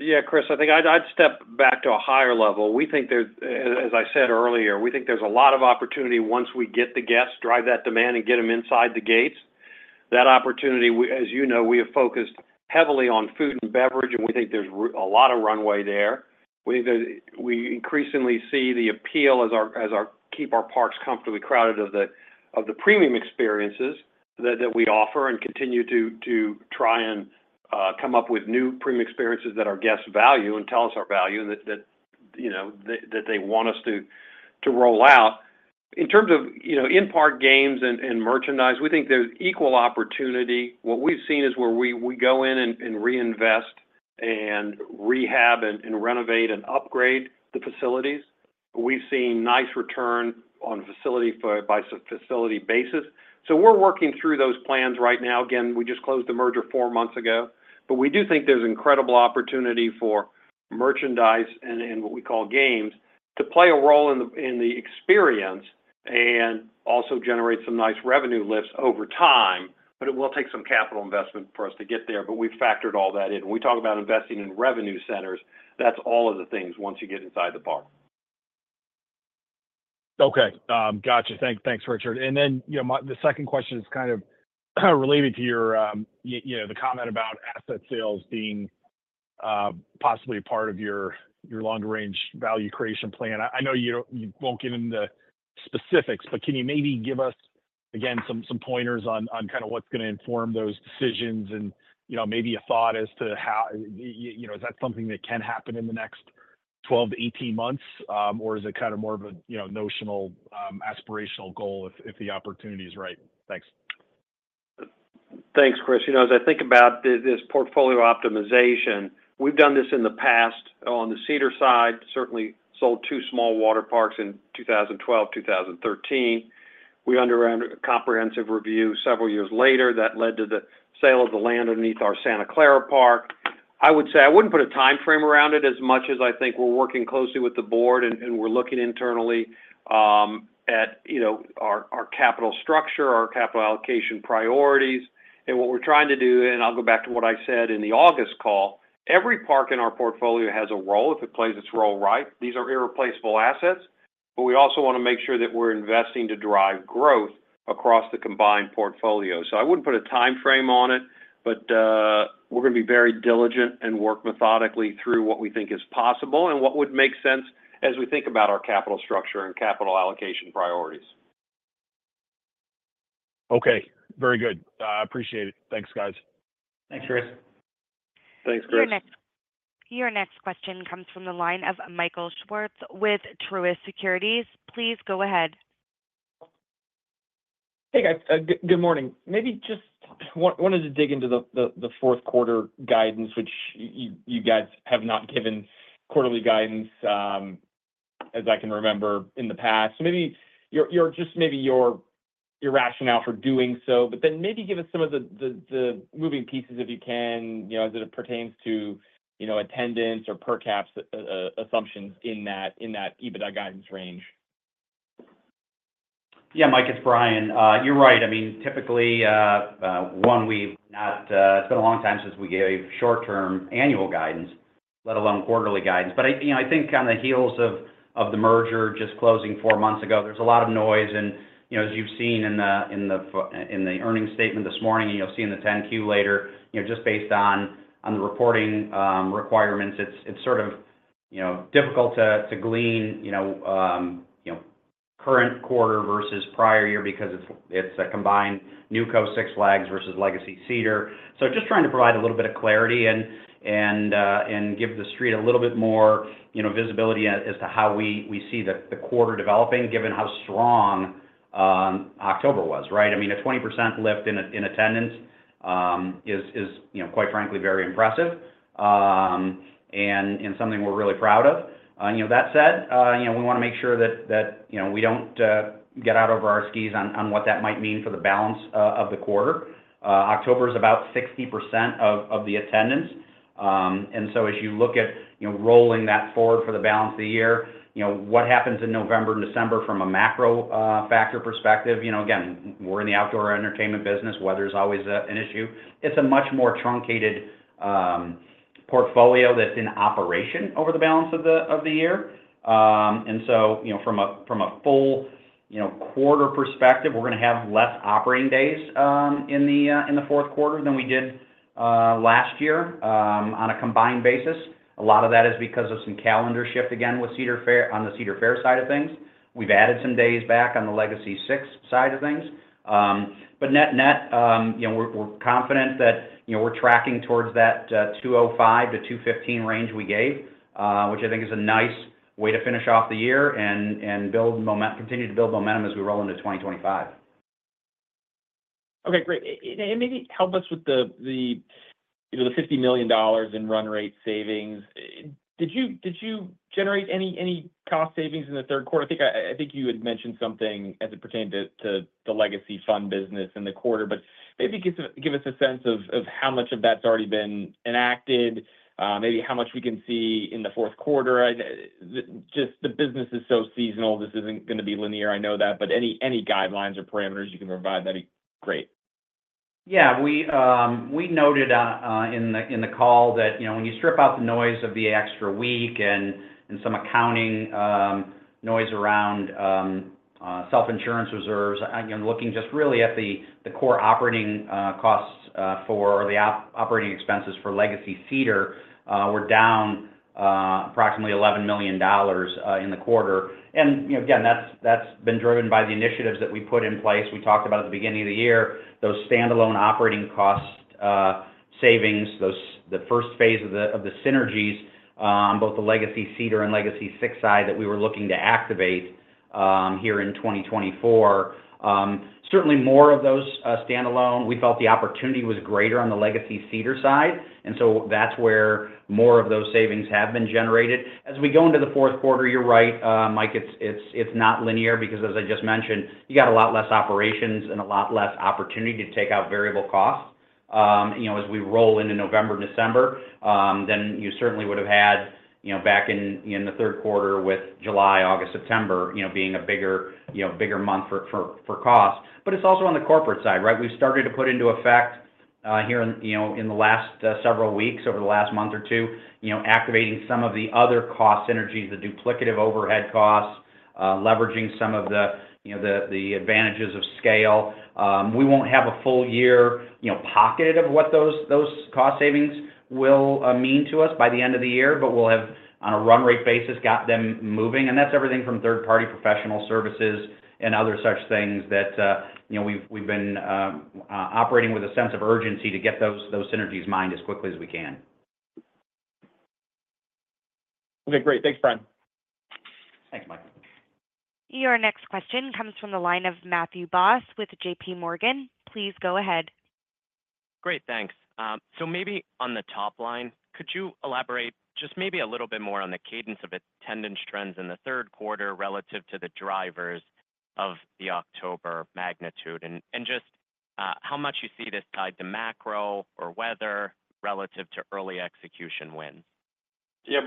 Yeah, Chris, I think I'd step back to a higher level. As I said earlier, we think there's a lot of opportunity once we get the guests, drive that demand, and get them inside the gates. That opportunity, as you know, we have focused heavily on food and beverage, and we think there's a lot of runway there. We increasingly see the appeal as keep our parks comfortably crowded of the premium experiences that we offer and continue to try and come up with new premium experiences that our guests value and tell us our value and that they want us to roll out. In terms of in-park games and merchandise, we think there's equal opportunity. What we've seen is where we go in and reinvest and rehab and renovate and upgrade the facilities. We've seen nice return on facility by facility basis. So we're working through those plans right now. Again, we just closed the merger four months ago, but we do think there's incredible opportunity for merchandise and what we call games to play a role in the experience and also generate some nice revenue lifts over time, but it will take some capital investment for us to get there. We've factored all that in. When we talk about investing in revenue centers, that's all of the things once you get inside the park. Okay. Gotcha. Thanks, Richard. And then the second question is kind of related to the comment about asset sales being possibly part of your longer-range value creation plan. I know you won't get into the specifics, but can you maybe give us, again, some pointers on kind of what's going to inform those decisions and maybe a thought as to how is that something that can happen in the next 12 to 18 months, or is it kind of more of a notional aspirational goal if the opportunity is right? Thanks. Thanks, Chris. As I think about this portfolio optimization, we've done this in the past. On the Cedar side, certainly sold two small water parks in 2012, 2013. We underwent a comprehensive review several years later that led to the sale of the land underneath our Santa Clara park. I would say I wouldn't put a time frame around it as much as I think we're working closely with the board, and we're looking internally at our capital structure, our capital allocation priorities. And what we're trying to do, and I'll go back to what I said in the August call, every park in our portfolio has a role if it plays its role right. These are irreplaceable assets, but we also want to make sure that we're investing to drive growth across the combined portfolio. So I wouldn't put a time frame on it, but we're going to be very diligent and work methodically through what we think is possible and what would make sense as we think about our capital structure and capital allocation priorities. Okay. Very good. I appreciate it. Thanks, guys. Thanks, Chris. Thanks, Chris. Your next question comes from the line of Michael Swartz with Truist Securities. Please go ahead. Hey, guys. Good morning. Maybe just wanted to dig into the Q4 guidance, which you guys have not given quarterly guidance as I can remember in the past. Maybe just maybe your rationale for doing so, but then maybe give us some of the moving pieces if you can as it pertains to attendance or per caps assumptions in that EBITDA guidance range. Yeah, Mike, it's Brian. You're right. I mean, typically, one, it's been a long time since we gave short-term annual guidance, let alone quarterly guidance. I think on the heels of the merger just closing four months ago, there's a lot of noise. And as you've seen in the earnings statement this morning, and you'll see in the 10-Q later, just based on the reporting requirements, it's sort of difficult to glean current quarter versus prior year because it's a combined newco Six Flags versus Legacy Cedar. Just trying to provide a little bit of clarity and give the street a little bit more visibility as to how we see the quarter developing given how strong October was, right? I mean, a 20% lift in attendance is, quite frankly, very impressive and something we're really proud of. That said, we want to make sure that we don't get out over our skis on what that might mean for the balance of the quarter. October is about 60% of the attendance. And so as you look at rolling that forward for the balance of the year, what happens in November and December from a macro factor perspective? Again, we're in the outdoor entertainment business. Weather is always an issue. It's a much more truncated portfolio that's in operation over the balance of the year. And so from a full quarter perspective, we're going to have less operating days in the Q4 than we did last year on a combined basis. A lot of that is because of some calendar shift again on the Cedar Fair side of things. We've added some days back on the Legacy Six side of things. But net net, we're confident that we're tracking towards that 205 to 215 range we gave, which I think is a nice way to finish off the year and continue to build momentum as we roll into 2025. Okay. Great. And maybe help us with the $50 million in run-rate savings. Did you generate any cost savings in the Q3? I think you had mentioned something as it pertained to the Legacy Six Flags business in the quarter, but maybe give us a sense of how much of that's already been enacted, maybe how much we can see in the Q4. Just the business is so seasonal. This isn't going to be linear. I know that. Any guidelines or parameters you can provide, that'd be great. Yeah. We noted in the call that when you strip out the noise of the extra week and some accounting noise around self-insurance reserves, looking just really at the core operating costs or the operating expenses for Legacy Cedar, we're down approximately $11 million in the quarter. And again, that's been driven by the initiatives that we put in place. We talked about at the beginning of the year, those standalone operating cost savings, the first phase of the synergies on both the Legacy Cedar and Legacy Six side that we were looking to activate here in 2024. Certainly, more of those standalone, we felt the opportunity was greater on the Legacy Cedar side. And so that's where more of those savings have been generated. As we go into the Q4, you're right, Mike, it's not linear because, as I just mentioned, you got a lot less operations and a lot less opportunity to take out variable costs as we roll into November, December than you certainly would have had back in the Q3 with July, August, September being a bigger month for costs. It's also on the corporate side, right? We've started to put into effect here in the last several weeks, over the last month or two, activating some of the other cost synergies, the duplicative overhead costs, leveraging some of the advantages of scale. We won't have a full year pocketed of what those cost savings will mean to us by the end of the year, but we'll have, on a run-rate basis, got them moving. That's everything from third-party professional services and other such things that we've been operating with a sense of urgency to get those synergies mined as quickly as we can. Okay. Great. Thanks, Brian. Thanks, Mike. Your next question comes from the line of Matthew Boss with JP Morgan. Please go ahead. Great. Thanks. Maybe on the top line, could you elaborate just maybe a little bit more on the cadence of attendance trends in the Q3 relative to the drivers of the October magnitude and just how much you see this tied to macro or weather relative to early execution wins? Yeah,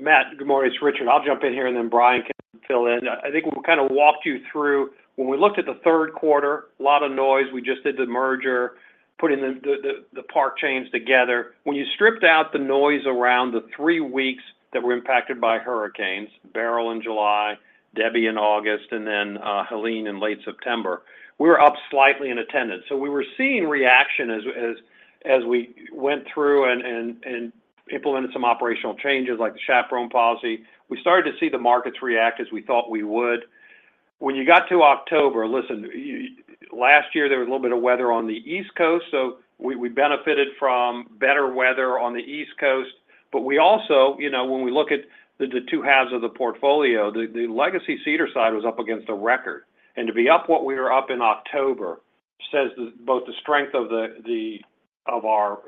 Matt, good morning. It's Richard. I'll jump in here, and then Brian can fill in. I think we'll kind of walk you through. When we looked at the Q3, a lot of noise. We just did the merger, putting the park chains together. When you stripped out the noise around the three weeks that were impacted by hurricanes, Beryl in July, Debby in August, and then Helene in late September, we were up slightly in attendance. We were seeing reaction as we went through and implemented some operational changes like the Chaperone Policy. We started to see the markets react as we thought we would. When you got to October, listen, last year, there was a little bit of weather on the East Coast, so we benefited from better weather on the East Coast. But we also, when we look at the two halves of the portfolio, the Legacy Cedar side was up against a record, and to be up what we were up in October says both the strength of our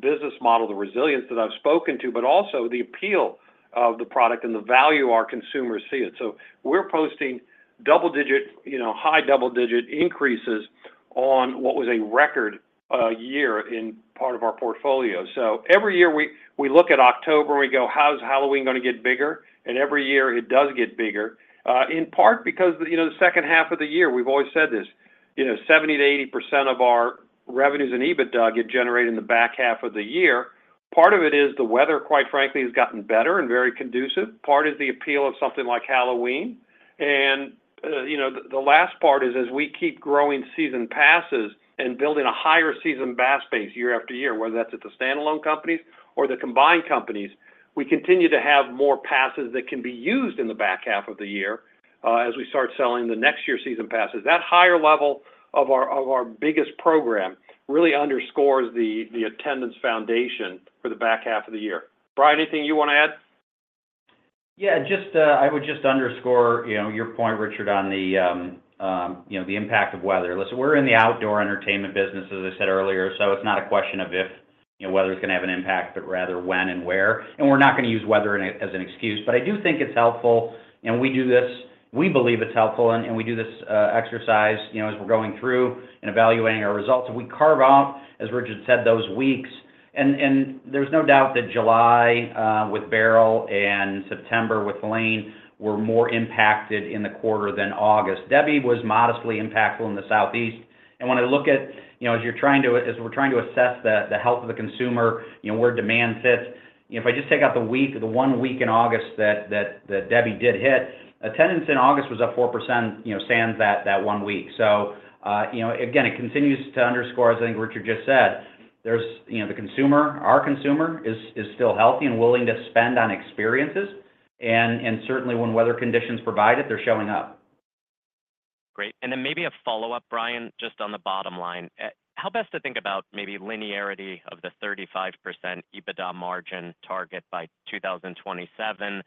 business model, the resilience that I've spoken to, but also the appeal of the product and the value our consumers see it. We're posting double-digit, high double-digit increases on what was a record year in part of our portfolio, so every year we look at October, we go, "How's Halloween going to get bigger?", and every year it does get bigger, in part because the second half of the year, we've always said this, 70% to 80% of our revenues in EBITDA get generated in the back half of the year. Part of it is the weather, quite frankly, has gotten better and very conducive. Part is the appeal of something like Halloween, and the last part is, as we keep growing season passes and building a higher season pass base year after year, whether that's at the standalone companies or the combined companies, we continue to have more passes that can be used in the back half of the year as we start selling the next year's season passes. That higher level of our biggest program really underscores the attendance foundation for the back half of the year. Brian, anything you want to add? Yeah. I would just underscore your point, Richard, on the impact of weather. Listen, we're in the outdoor entertainment business, as I said earlier, so it's not a question of if weather is going to have an impact, but rather when and where. And we're not going to use weather as an excuse, but I do think it's helpful. And we do this. We believe it's helpful. And we do this exercise as we're going through and evaluating our results. We carve out, as Richard said, those weeks. And there's no doubt that July with Beryl and September with Helene were more impacted in the quarter than August. Debby was modestly impactful in the Southeast. When I look at, as we're trying to assess the health of the consumer, where demand sits, if I just take out the one week in August that Debby did hit, attendance in August was up 4%, sans that one week. Again, it continues to underscore, as I think Richard just said, the consumer, our consumer, is still healthy and willing to spend on experiences. And certainly, when weather conditions provide it, they're showing up. Great. And then maybe a follow-up, Brian, just on the bottom line. How best to think about maybe linearity of the 35% EBITDA margin target by 2027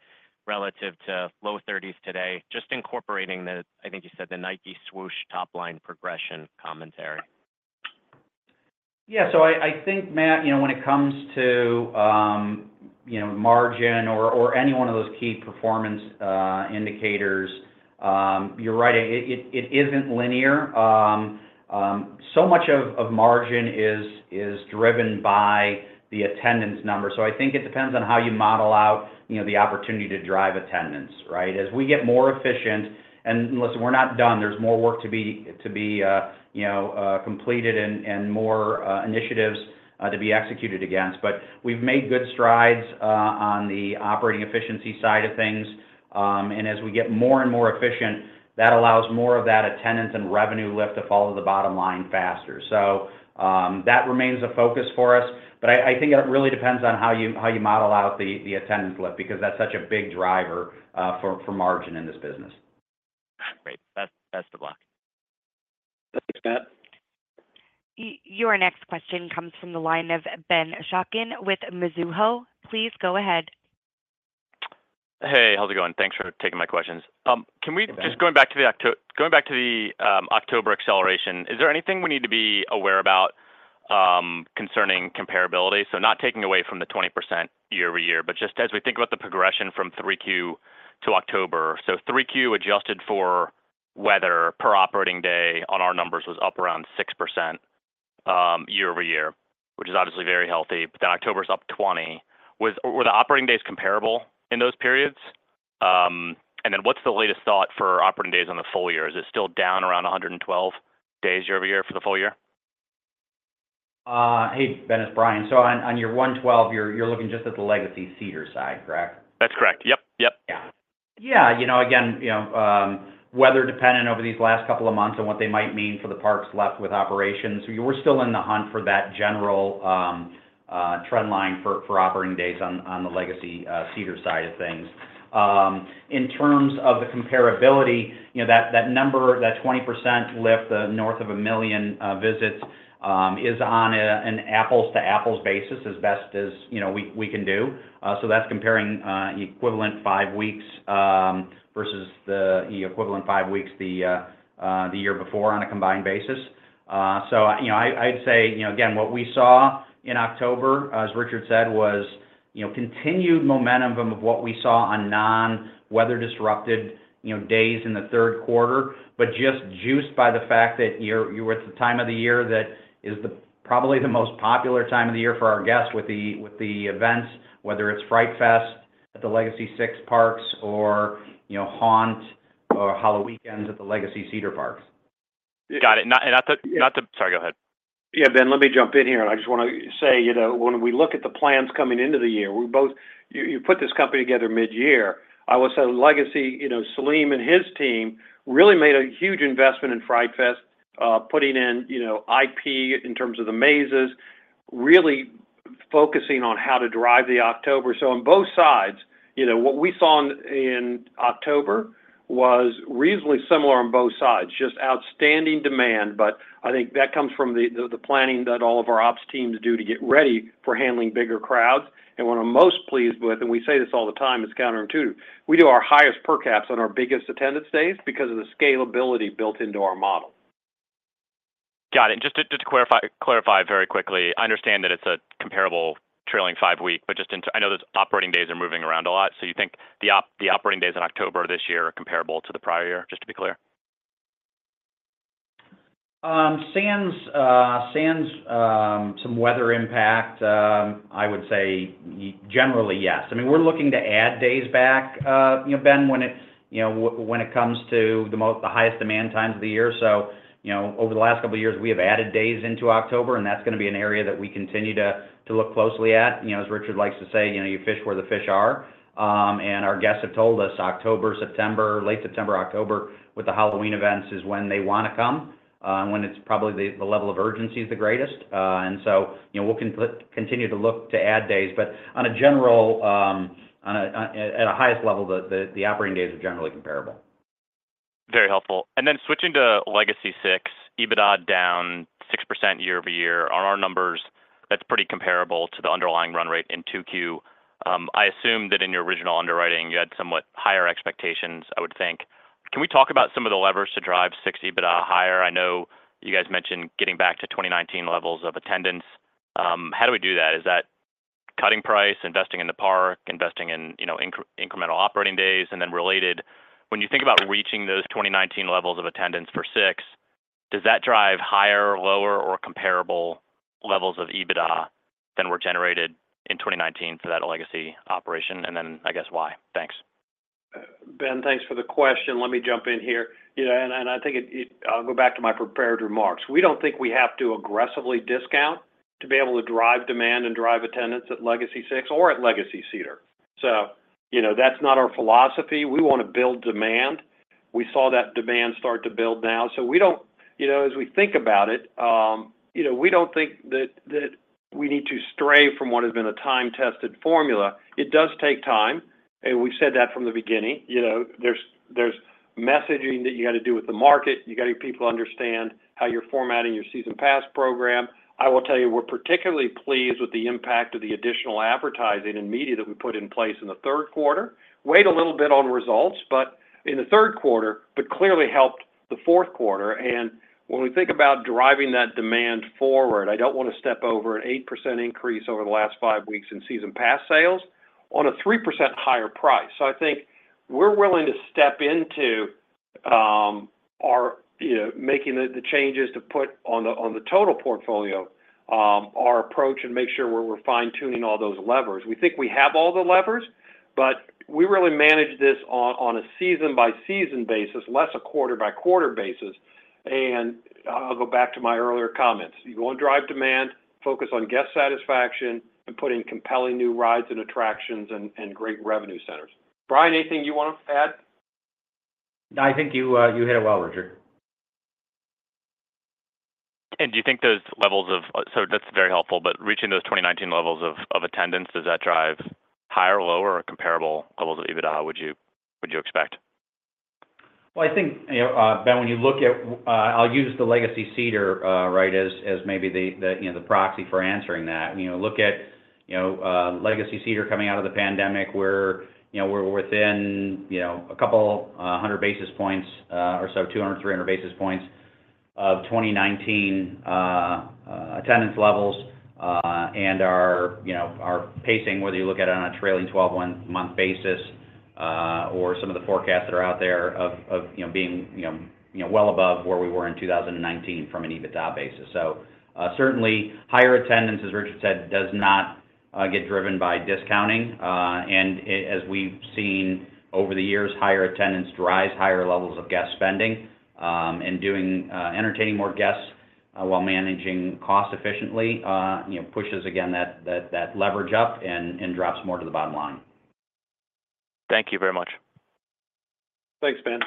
relative to low 30s today, just incorporating the, I think you said, the Nike Swoosh top-line progression commentary? Yeah. I think, Matt, when it comes to margin or any one of those key performance indicators, you're right. It isn't linear. So much of margin is driven by the attendance number. I think it depends on how you model out the opportunity to drive attendance, right? As we get more efficient, and listen, we're not done. There's more work to be completed and more initiatives to be executed against. We've made good strides on the operating efficiency side of things. And as we get more and more efficient, that allows more of that attendance and revenue lift to follow the bottom line faster. That remains a focus for us. I think it really depends on how you model out the attendance lift because that's such a big driver for margin in this business. Great. Best of luck. Thanks, Matt. Your next question comes from the line of Ben Chaiken with Mizuho. Please go ahead. Hey, how's it going? Thanks for taking my questions. Just going back to the October acceleration, is there anything we need to be aware about concerning comparability? So not taking away from the 20% year-over-year, but just as we think about the progression from Q3 to October. Q3 adjusted for weather per operating day on our numbers was up around 6% year-over-year, which is obviously very healthy. Then October's up 20%. Were the operating days comparable in those periods? And then what's the latest thought for operating days on the full year? Is it still down around 112 days year-over-year for the full year? Hey, Ben, it's Brian. So on your 112, you're looking just at the Legacy Cedar side, correct? That's correct. Yep. Yep. Yeah. Again, weather-dependent over these last couple of months and what they might mean for the parks left with operations. We're still in the hunt for that general trend line for operating days on the Legacy Cedar side of things. In terms of the comparability, that number, that 20% lift, the north of a million visits, is on an apples-to-apples basis as best as we can do. That's comparing equivalent five weeks versus the equivalent five weeks the year before on a combined basis. So I'd say, again, what we saw in October, as Richard said, was continued momentum of what we saw on non-weather-disrupted days in the Q3, but just juiced by the fact that you were at the time of the year that is probably the most popular time of the year for our guests with the events, whether it's Fright Fest at the Legacy Six parks or Haunt or HalloWeekends at the Legacy Cedar parks. Got it. And not to—sorry, go ahead. Yeah, Ben, let me jump in here. I just want to say, when we look at the plans coming into the year, you put this company together mid-year. I would say Legacy Selim and his team really made a huge investment in Fright Fest, putting in IP in terms of the mazes, really focusing on how to drive the October. On both sides, what we saw in October was reasonably similar on both sides, just outstanding demand. I think that comes from the planning that all of our ops teams do to get ready for handling bigger crowds. And what I'm most pleased with, and we say this all the time, it's counterintuitive. We do our highest per caps on our biggest attendance days because of the scalability built into our model. Got it. And just to clarify very quickly, I understand that it's a comparable trailing five-week, but just I know those operating days are moving around a lot. So you think the operating days in October this year are comparable to the prior year, just to be clear? Sans some weather impact, I would say generally, yes. I mean, we're looking to add days back, Ben, when it comes to the highest demand times of the year. Over the last couple of years, we have added days into October, and that's going to be an area that we continue to look closely at. As Richard likes to say, "You fish where the fish are." And our guests have told us October, September, late September, October with the Halloween events is when they want to come and when it's probably the level of urgency is the greatest. And so we'll continue to look to add days. In general, at the highest level, the operating days are generally comparable. Very helpful. And then switching to Legacy Six, EBITDA down 6% year-over-year on our numbers, that's pretty comparable to the underlying run-rate in 2Q. I assume that in your original underwriting, you had somewhat higher expectations, I would think. Can we talk about some of the levers to drive Six's EBITDA higher? I know you guys mentioned getting back to 2019 levels of attendance. How do we do that? Is that cutting price, investing in the park, investing in incremental operating days? And then related, when you think about reaching those 2019 levels of attendance for Six, does that drive higher, lower, or comparable levels of EBITDA than were generated in 2019 for that Legacy operation? And then I guess why? Thanks. Ben, thanks for the question. Let me jump in here, and I think I'll go back to my prepared remarks. We don't think we have to aggressively discount to be able to drive demand and drive attendance at Legacy Six or at Legacy Cedar. So that's not our philosophy. We want to build demand. We saw that demand start to build now. As we think about it, we don't think that we need to stray from what has been a time-tested formula. It does take time, and we said that from the beginning. There's messaging that you got to do with the market. You got to get people to understand how you're formatting your season pass program. I will tell you, we're particularly pleased with the impact of the additional advertising and media that we put in place in the Q3. Wait a little bit on results, but in the Q3 clearly helped the Q4 and when we think about driving that demand forward, I don't want to step over an 8% increase over the last five weeks in season pass sales on a 3% higher price so I think we're willing to step into making the changes to put on the total portfolio our approach and make sure we're fine-tuning all those levers. We think we have all the levers, but we really manage this on a season-by-season basis, less a quarter-by-quarter basis and I'll go back to my earlier comments. You go and drive demand, focus on guest satisfaction, and put in compelling new rides and attractions and great revenue centers. Brian, anything you want to add? No, I think you hit it well, Richard. And do you think those levels of, so that's very helpful, but reaching those 2019 levels of attendance, does that drive higher, lower, or comparable levels of EBITDA? Would you expect? I think, Ben, when you look at, I'll use the Legacy Cedar, right, as maybe the proxy for answering that. Look at Legacy Cedar coming out of the pandemic where we're within a couple hundred basis points or so, 200, 300 basis points of 2019 attendance levels and our pacing, whether you look at it on a trailing 12-month basis or some of the forecasts that are out there of being well above where we were in 2019 from an EBITDA basis. Certainly, higher attendance, as Richard said, does not get driven by discounting. And as we've seen over the years, higher attendance drives higher levels of guest spending. And entertaining more guests while managing cost efficiently pushes, again, that leverage up and drops more to the bottom line. Thank you very much. Thanks, Ben.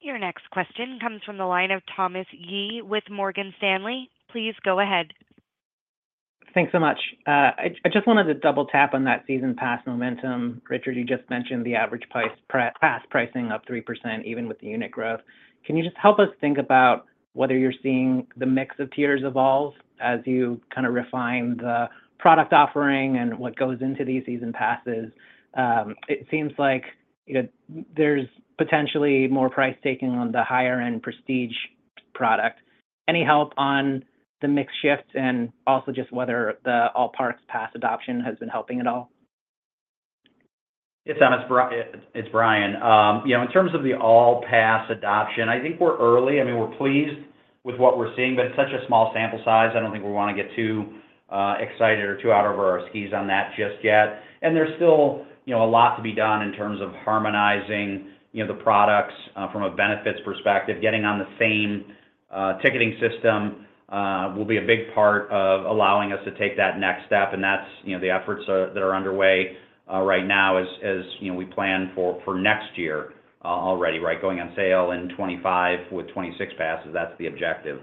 Your next question comes from the line of Thomas Yeh with Morgan Stanley. Please go ahead. Thanks so much. I just wanted to double-tap on that season pass momentum. Richard, you just mentioned the average pass pricing up 3% even with the unit growth. Can you just help us think about whether you're seeing the mix of tiers evolve as you kind of refine the product offering and what goes into these season passes? It seems like there's potentially more price-taking on the higher-end Prestige product. Any help on the mix shift and also just whether the all-park pass adoption has been helping at all? It's Thomas. It's Brian. In terms of the all-pass adoption, I think we're early. I mean, we're pleased with what we're seeing, but it's such a small sample size. I don't think we want to get too excited or too out over our skis on that just yet. And there's still a lot to be done in terms of harmonizing the products from a benefits perspective. Getting on the same ticketing system will be a big part of allowing us to take that next step. And that's the efforts that are underway right now as we plan for next year already, right? Going on sale in 2025 with 2026 passes. That's the objective.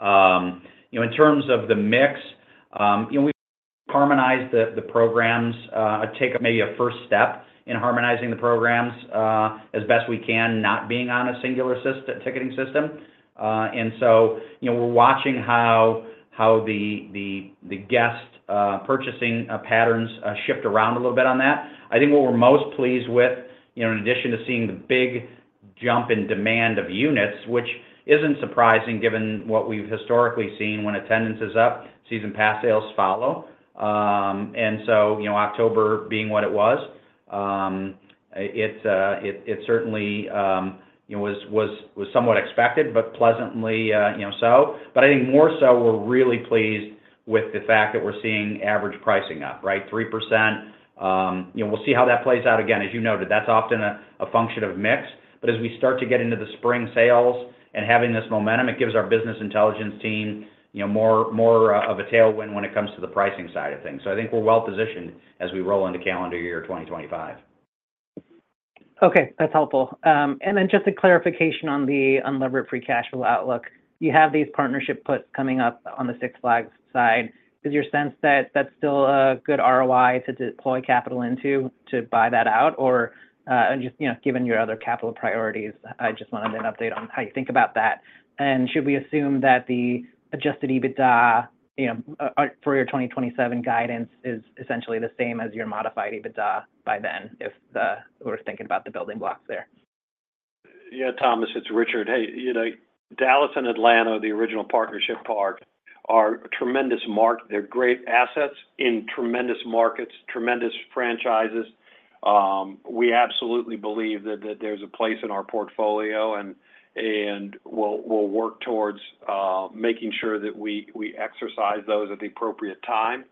In terms of the mix, we've harmonized the programs. I'd take maybe a first step in harmonizing the programs as best we can, not being on a singular ticketing system. And so we're watching how the guest purchasing patterns shift around a little bit on that. I think what we're most pleased with, in addition to seeing the big jump in demand of units, which isn't surprising given what we've historically seen when attendance is up, season pass sales follow. And so October being what it was, it certainly was somewhat expected, but pleasantly so. I think more so, we're really pleased with the fact that we're seeing average pricing up, right? 3%. We'll see how that plays out. Again, as you noted, that's often a function of mix. As we start to get into the spring sales and having this momentum, it gives our business intelligence team more of a tailwind when it comes to the pricing side of things. I think we're well positioned as we roll into calendar year 2025. Okay. That's helpful. And then just a clarification on the unlevered free cash flow outlook. You have these partnership puts coming up on the Six Flags side. Is your sense that that's still a good ROI to deploy capital into to buy that out? Or just given your other capital priorities, I just wanted an update on how you think about that. And should we assume that the Adjusted EBITDA for your 2027 guidance is essentially the same as your Modified EBITDA by then if we're thinking about the building blocks there? Yeah, Thomas, it's Richard. Hey, Dallas and Atlanta, the original partnership park, are tremendous markets. They're great assets in tremendous markets, tremendous franchises. We absolutely believe that there's a place in our portfolio, and we'll work towards making sure that we exercise those at the appropriate time.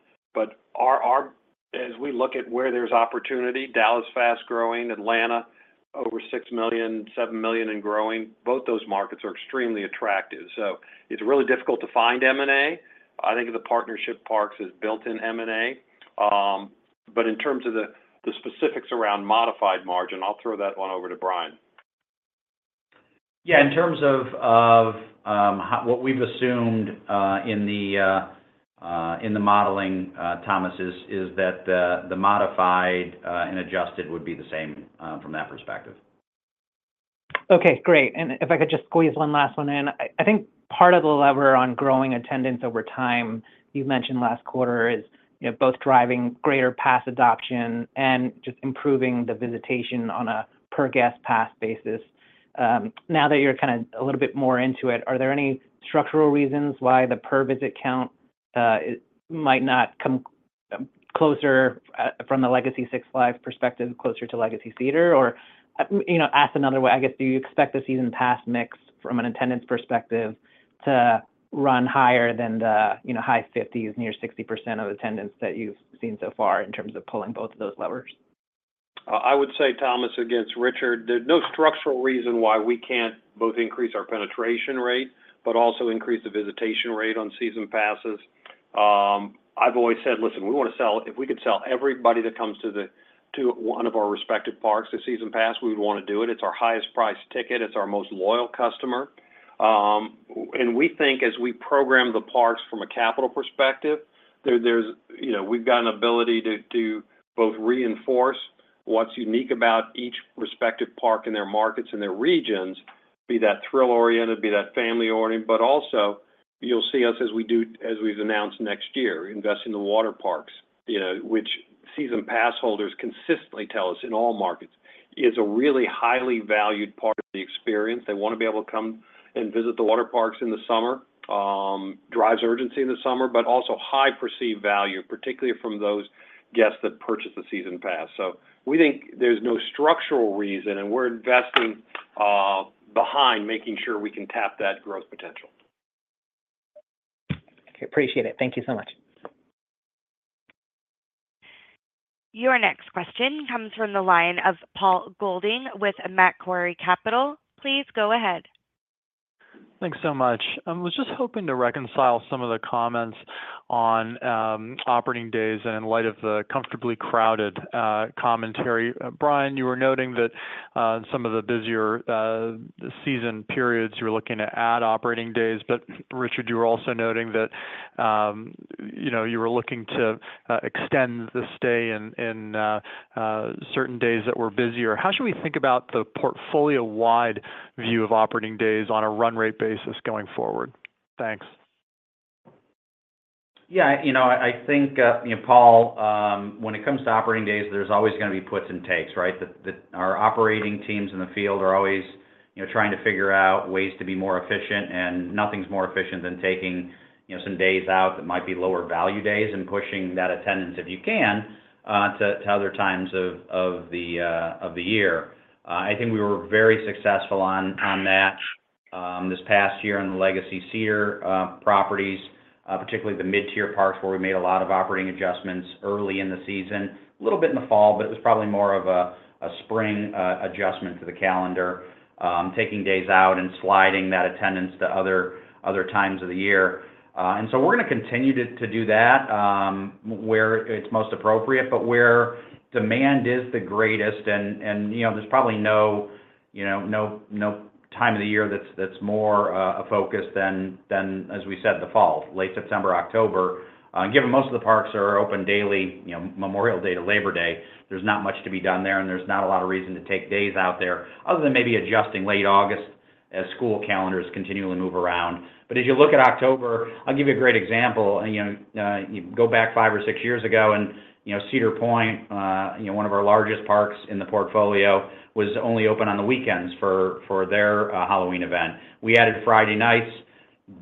As we look at where there's opportunity, Dallas fast-growing, Atlanta over 6 million, 7 million and growing, both those markets are extremely attractive. So it's really difficult to find M&A. I think of the partnership parks as built-in M&A. In terms of the specifics around modified margin, I'll throw that one over to Brian. Yeah. In terms of what we've assumed in the modeling, Thomas, is that the modified and adjusted would be the same from that perspective. Okay. Great. And if I could just squeeze one last one in. I think part of the lever on growing attendance over time you mentioned last quarter is both driving greater pass adoption and just improving the visitation on a per-guest pass basis. Now that you're kind of a little bit more into it, are there any structural reasons why the per-visit count might not come closer from the Legacy Six Flags perspective, closer to Legacy Cedar? Or asked another way, I guess, do you expect the season pass mix from an attendance perspective to run higher than the high 50s, near 60% of attendance that you've seen so far in terms of pulling both of those levers? I would say, Thomas, against Richard, there's no structural reason why we can't both increase our penetration rate, but also increase the visitation rate on season passes. I've always said, "Listen, we want to sell. If we could sell everybody that comes to one of our respective parks a season pass, we would want to do it. It's our highest-priced ticket. It's our most loyal customer." And we think as we program the parks from a capital perspective, we've got an ability to both reinforce what's unique about each respective park in their markets and their regions, be that thrill-oriented, be that family-oriented. Also, you'll see us as we've announced next year, investing in the water parks, which season pass holders consistently tell us in all markets is a really highly valued part of the experience. They want to be able to come and visit the water parks in the summer. Drives urgency in the summer, but also high perceived value, particularly from those guests that purchase the season pass, so we think there's no structural reason, and we're investing behind making sure we can tap that growth potential. Okay. Appreciate it. Thank you so much. Your next question comes from the line of Paul Golding with Macquarie Capital. Please go ahead. Thanks so much. I was just hoping to reconcile some of the comments on operating days and in light of the comfortably crowded commentary. Brian, you were noting that in some of the busier season periods, you were looking to add operating days. Richard, you were also noting that you were looking to extend the stay in certain days that were busier. How should we think about the portfolio-wide view of operating days on a run-rate basis going forward? Thanks. Yeah. I think, Paul, when it comes to operating days, there's always going to be puts and takes, right? Our operating teams in the field are always trying to figure out ways to be more efficient. And nothing's more efficient than taking some days out that might be lower value days and pushing that attendance, if you can, to other times of the year. I think we were very successful on that this past year on the Legacy Cedar properties, particularly the mid-tier parks where we made a lot of operating adjustments early in the season. A little bit in the fall, but it was probably more of a spring adjustment to the calendar, taking days out and sliding that attendance to other times of the year. And so we're going to continue to do that where it's most appropriate, but where demand is the greatest. And there's probably no time of the year that's more a focus than, as we said, the fall, late September, October. Given most of the parks are open daily, Memorial Day to Labor Day, there's not much to be done there, and there's not a lot of reason to take days out there other than maybe adjusting late August as school calendars continually move around. As you look at October, I'll give you a great example. Go back five or six years ago, and Cedar Point, one of our largest parks in the portfolio, was only open on the weekends for their Halloween event. We added Friday nights,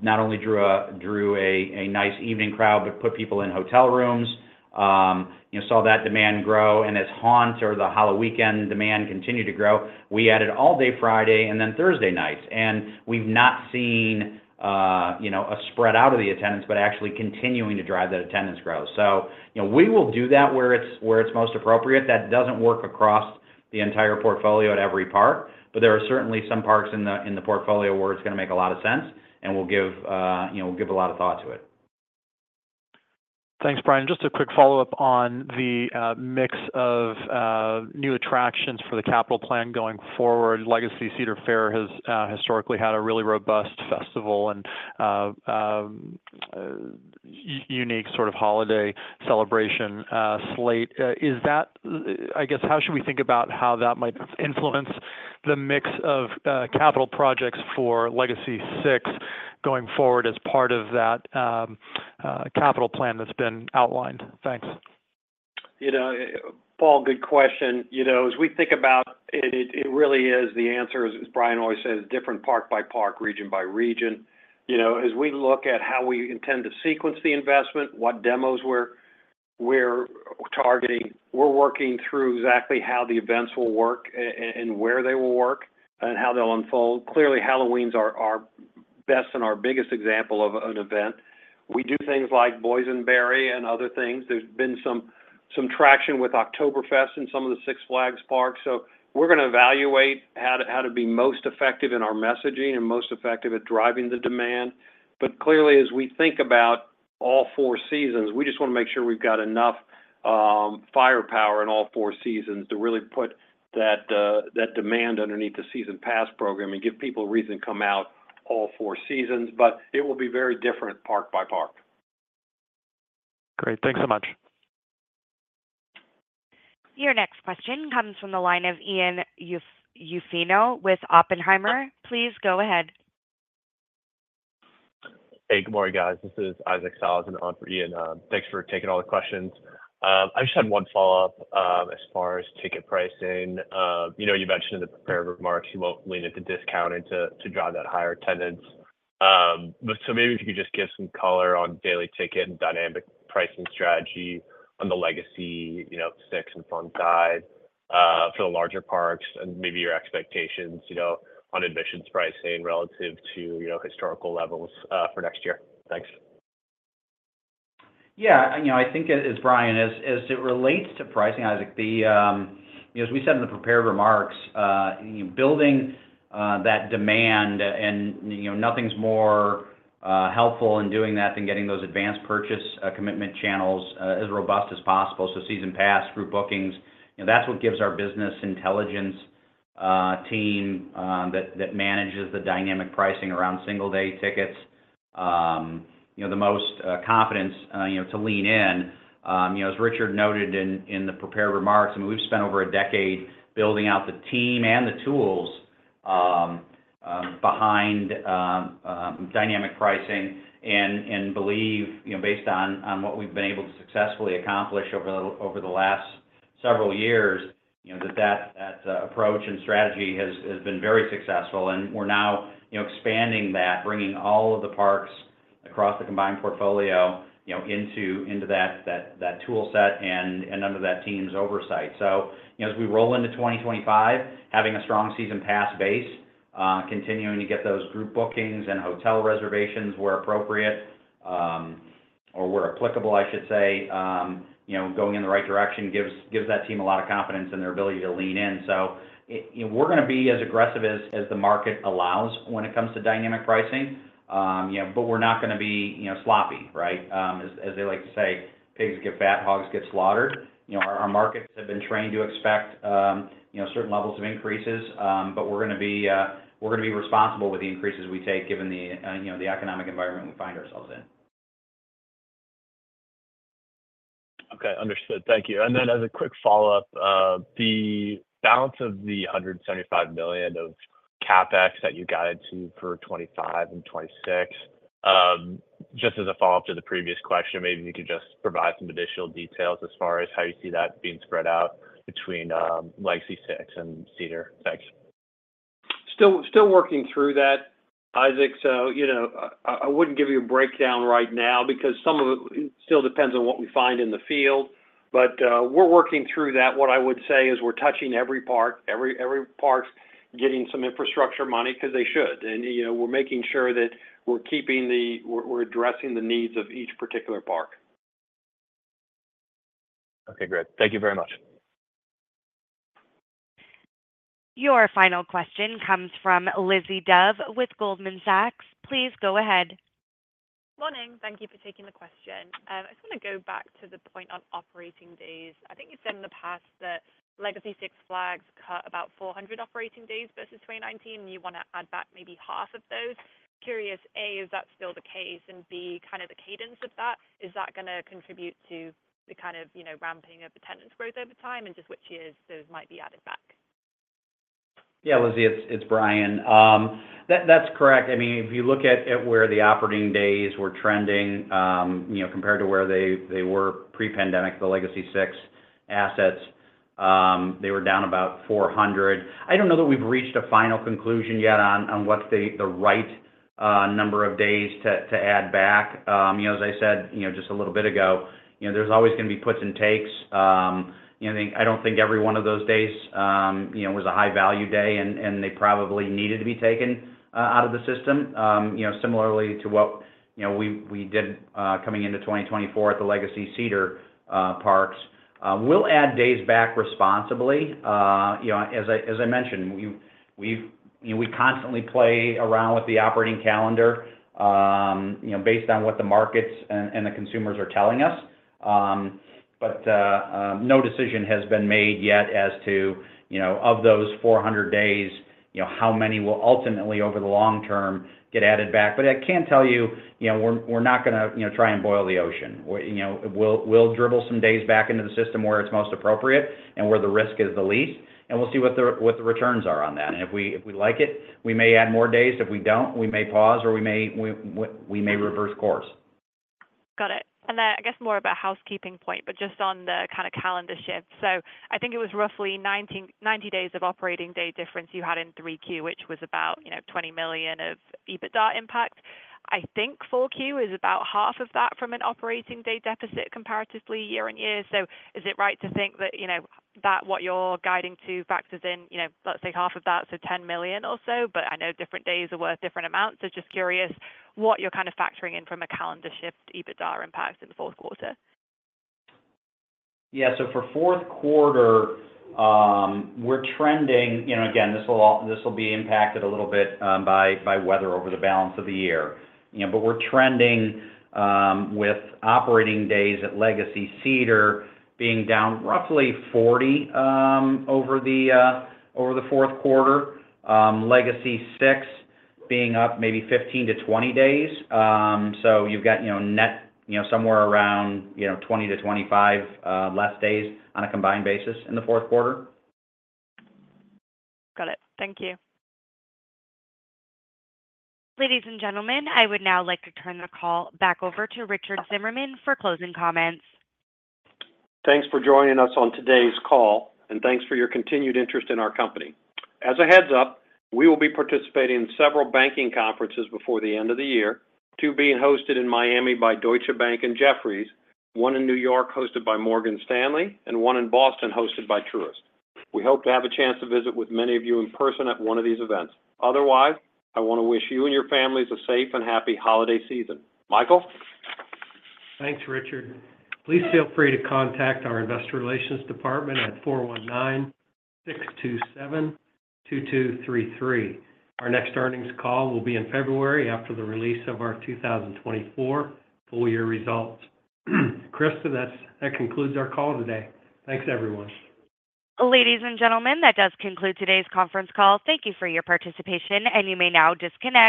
not only drew a nice evening crowd, but put people in hotel rooms, saw that demand grow. And as Haunt or the HalloWeekends demand continued to grow, we added all-day Friday and then Thursday nights. And we've not seen a spread out of the attendance, but actually continuing to drive that attendance growth. So we will do that where it's most appropriate. That doesn't work across the entire portfolio at every park, but there are certainly some parks in the portfolio where it's going to make a lot of sense, and we'll give a lot of thought to it. Thanks, Brian. Just a quick follow-up on the mix of new attractions for the capital plan going forward. Legacy Cedar Fair has historically had a really robust festival and unique sort of holiday celebration slate. Is that, I guess, how should we think about how that might influence the mix of capital projects for Legacy Six going forward as part of that capital plan that's been outlined? Thanks. Paul, good question. As we think about it, it really is the answer, as Brian always says, different park by park, region by region. As we look at how we intend to sequence the investment, what demos we're targeting, we're working through exactly how the events will work and where they will work and how they'll unfold. Clearly, Halloween's our best and our biggest example of an event. We do things like Boysenberry and other things. There's been some traction with Oktoberfest in some of the Six Flags parks. We're going to evaluate how to be most effective in our messaging and most effective at driving the demand. Clearly, as we think about all four seasons, we just want to make sure we've got enough firepower in all four seasons to really put that demand underneath the season pass program and give people a reason to come out all four seasons. It will be very different park by park. Great. Thanks so much. Your next question comes from the line of Ian Zaffino with Oppenheimer. Please go ahead. Hey, good morning, guys. This is Isaac Sellhausen on for Ian. Thanks for taking all the questions. I just had one follow-up as far as ticket pricing. You mentioned in the prepared remarks you won't lean into discounting to drive that higher attendance. Maybe if you could just give some color on daily ticket and dynamic pricing strategy on the Legacy Six Flags and Cedar Fair side for the larger parks and maybe your expectations on admissions pricing relative to historical levels for next year. Thanks. Yeah. I think, as Brian, as it relates to pricing, Isaac, as we said in the prepared remarks, building that demand and nothing's more helpful in doing that than getting those advanced purchase commitment channels as robust as possible. Season pass, group bookings, that's what gives our business intelligence team that manages the dynamic pricing around single-day tickets the most confidence to lean in. As Richard noted in the prepared remarks, I mean, we've spent over a decade building out the team and the tools behind dynamic pricing and believe, based on what we've been able to successfully accomplish over the last several years, that that approach and strategy has been very successful. And we're now expanding that, bringing all of the parks across the combined portfolio into that toolset and under that team's oversight. So as we roll into 2025, having a strong season pass base, continuing to get those group bookings and hotel reservations where appropriate or where applicable, I should say, going in the right direction gives that team a lot of confidence in their ability to lean in. We're going to be as aggressive as the market allows when it comes to dynamic pricing, but we're not going to be sloppy, right? As they like to say, pigs get fat, hogs get slaughtered. Our markets have been trained to expect certain levels of increases, but we're going to be responsible with the increases we take given the economic environment we find ourselves in. Okay. Understood. Thank you. And then as a quick follow-up, the balance of the $175 million of CapEx that you guided to for 2025 and 2026, just as a follow-up to the previous question, maybe you could just provide some additional details as far as how you see that being spread out between Legacy Six and Cedar. Thanks. Still working through that, Isaac. I wouldn't give you a breakdown right now because some of it still depends on what we find in the field. We're working through that. What I would say is we're touching every park, every park's getting some infrastructure money because they should. And we're making sure that we're addressing the needs of each particular park. Okay. Great. Thank you very much. Your final question comes from Lizzie Dove with Goldman Sachs. Please go ahead. Morning. Thank you for taking the question. I just want to go back to the point on operating days. I think you said in the past that Legacy Six Flags cut about 400 operating days versus 2019, and you want to add back maybe half of those. Curious, A, is that still the case? And B, kind of the cadence of that, is that going to contribute to the kind of ramping of attendance growth over time and just which years those might be added back? Yeah, Lizzie, it's Brian. That's correct. I mean, if you look at where the operating days were trending compared to where they were pre-pandemic, the Legacy Six assets, they were down about 400. I don't know that we've reached a final conclusion yet on what's the right number of days to add back. As I said just a little bit ago, there's always going to be puts and takes. I don't think every one of those days was a high-value day, and they probably needed to be taken out of the system, similarly to what we did coming into 2024 at the Legacy Cedar parks. We'll add days back responsibly. As I mentioned, we constantly play around with the operating calendar based on what the markets and the consumers are telling us. But no decision has been made yet as to, of those 400 days, how many will ultimately, over the long-term, get added back. I can tell you we're not going to try and boil the ocean. We'll dribble some days back into the system where it's most appropriate and where the risk is the least, and we'll see what the returns are on that. And if we like it, we may add more days. If we don't, we may pause, or we may reverse course. Got it. And then, I guess, more of a housekeeping point, but just on the kind of calendar shift. I think it was roughly 90 days of operating day difference you had in Q3, which was about $20 million of EBITDA impact. I think Q4 is about half of that from an operating day deficit comparatively year on year. Is it right to think that what you're guiding to factors in, let's say, half of that, so $10 million or so? I know different days are worth different amounts. Just curious what you're kind of factoring in from a calendar shift EBITDA impact in the Q4. Yeah. For Q4, we're trending again. This will be impacted a little bit by weather over the balance of the year. We're trending with operating days at Legacy Cedar being down roughly 40 over the Q4, Legacy Six being up maybe 15 to 20 days. You've got net somewhere around 20 to 25 less days on a combined basis in the Q4. Got it. Thank you. Ladies and gentlemen, I would now like to turn the call back over to Richard Zimmerman for closing comments. Thanks for joining us on today's call, and thanks for your continued interest in our company. As a heads-up, we will be participating in several banking conferences before the end of the year, two being hosted in Miami by Deutsche Bank and Jefferies, one in New York hosted by Morgan Stanley, and one in Boston hosted by Truist. We hope to have a chance to visit with many of you in person at one of these events. Otherwise, I want to wish you and your families a safe and happy holiday season. Michael? Thanks, Richard. Please feel free to contact our investor relations department at 419-627-2233. Our next earnings call will be in February after the release of our 2024 full-year results. Krista, that concludes our call today. Thanks, everyone. Ladies and gentlemen, that does conclude today's conference call. Thank you for your participation, and you may now disconnect.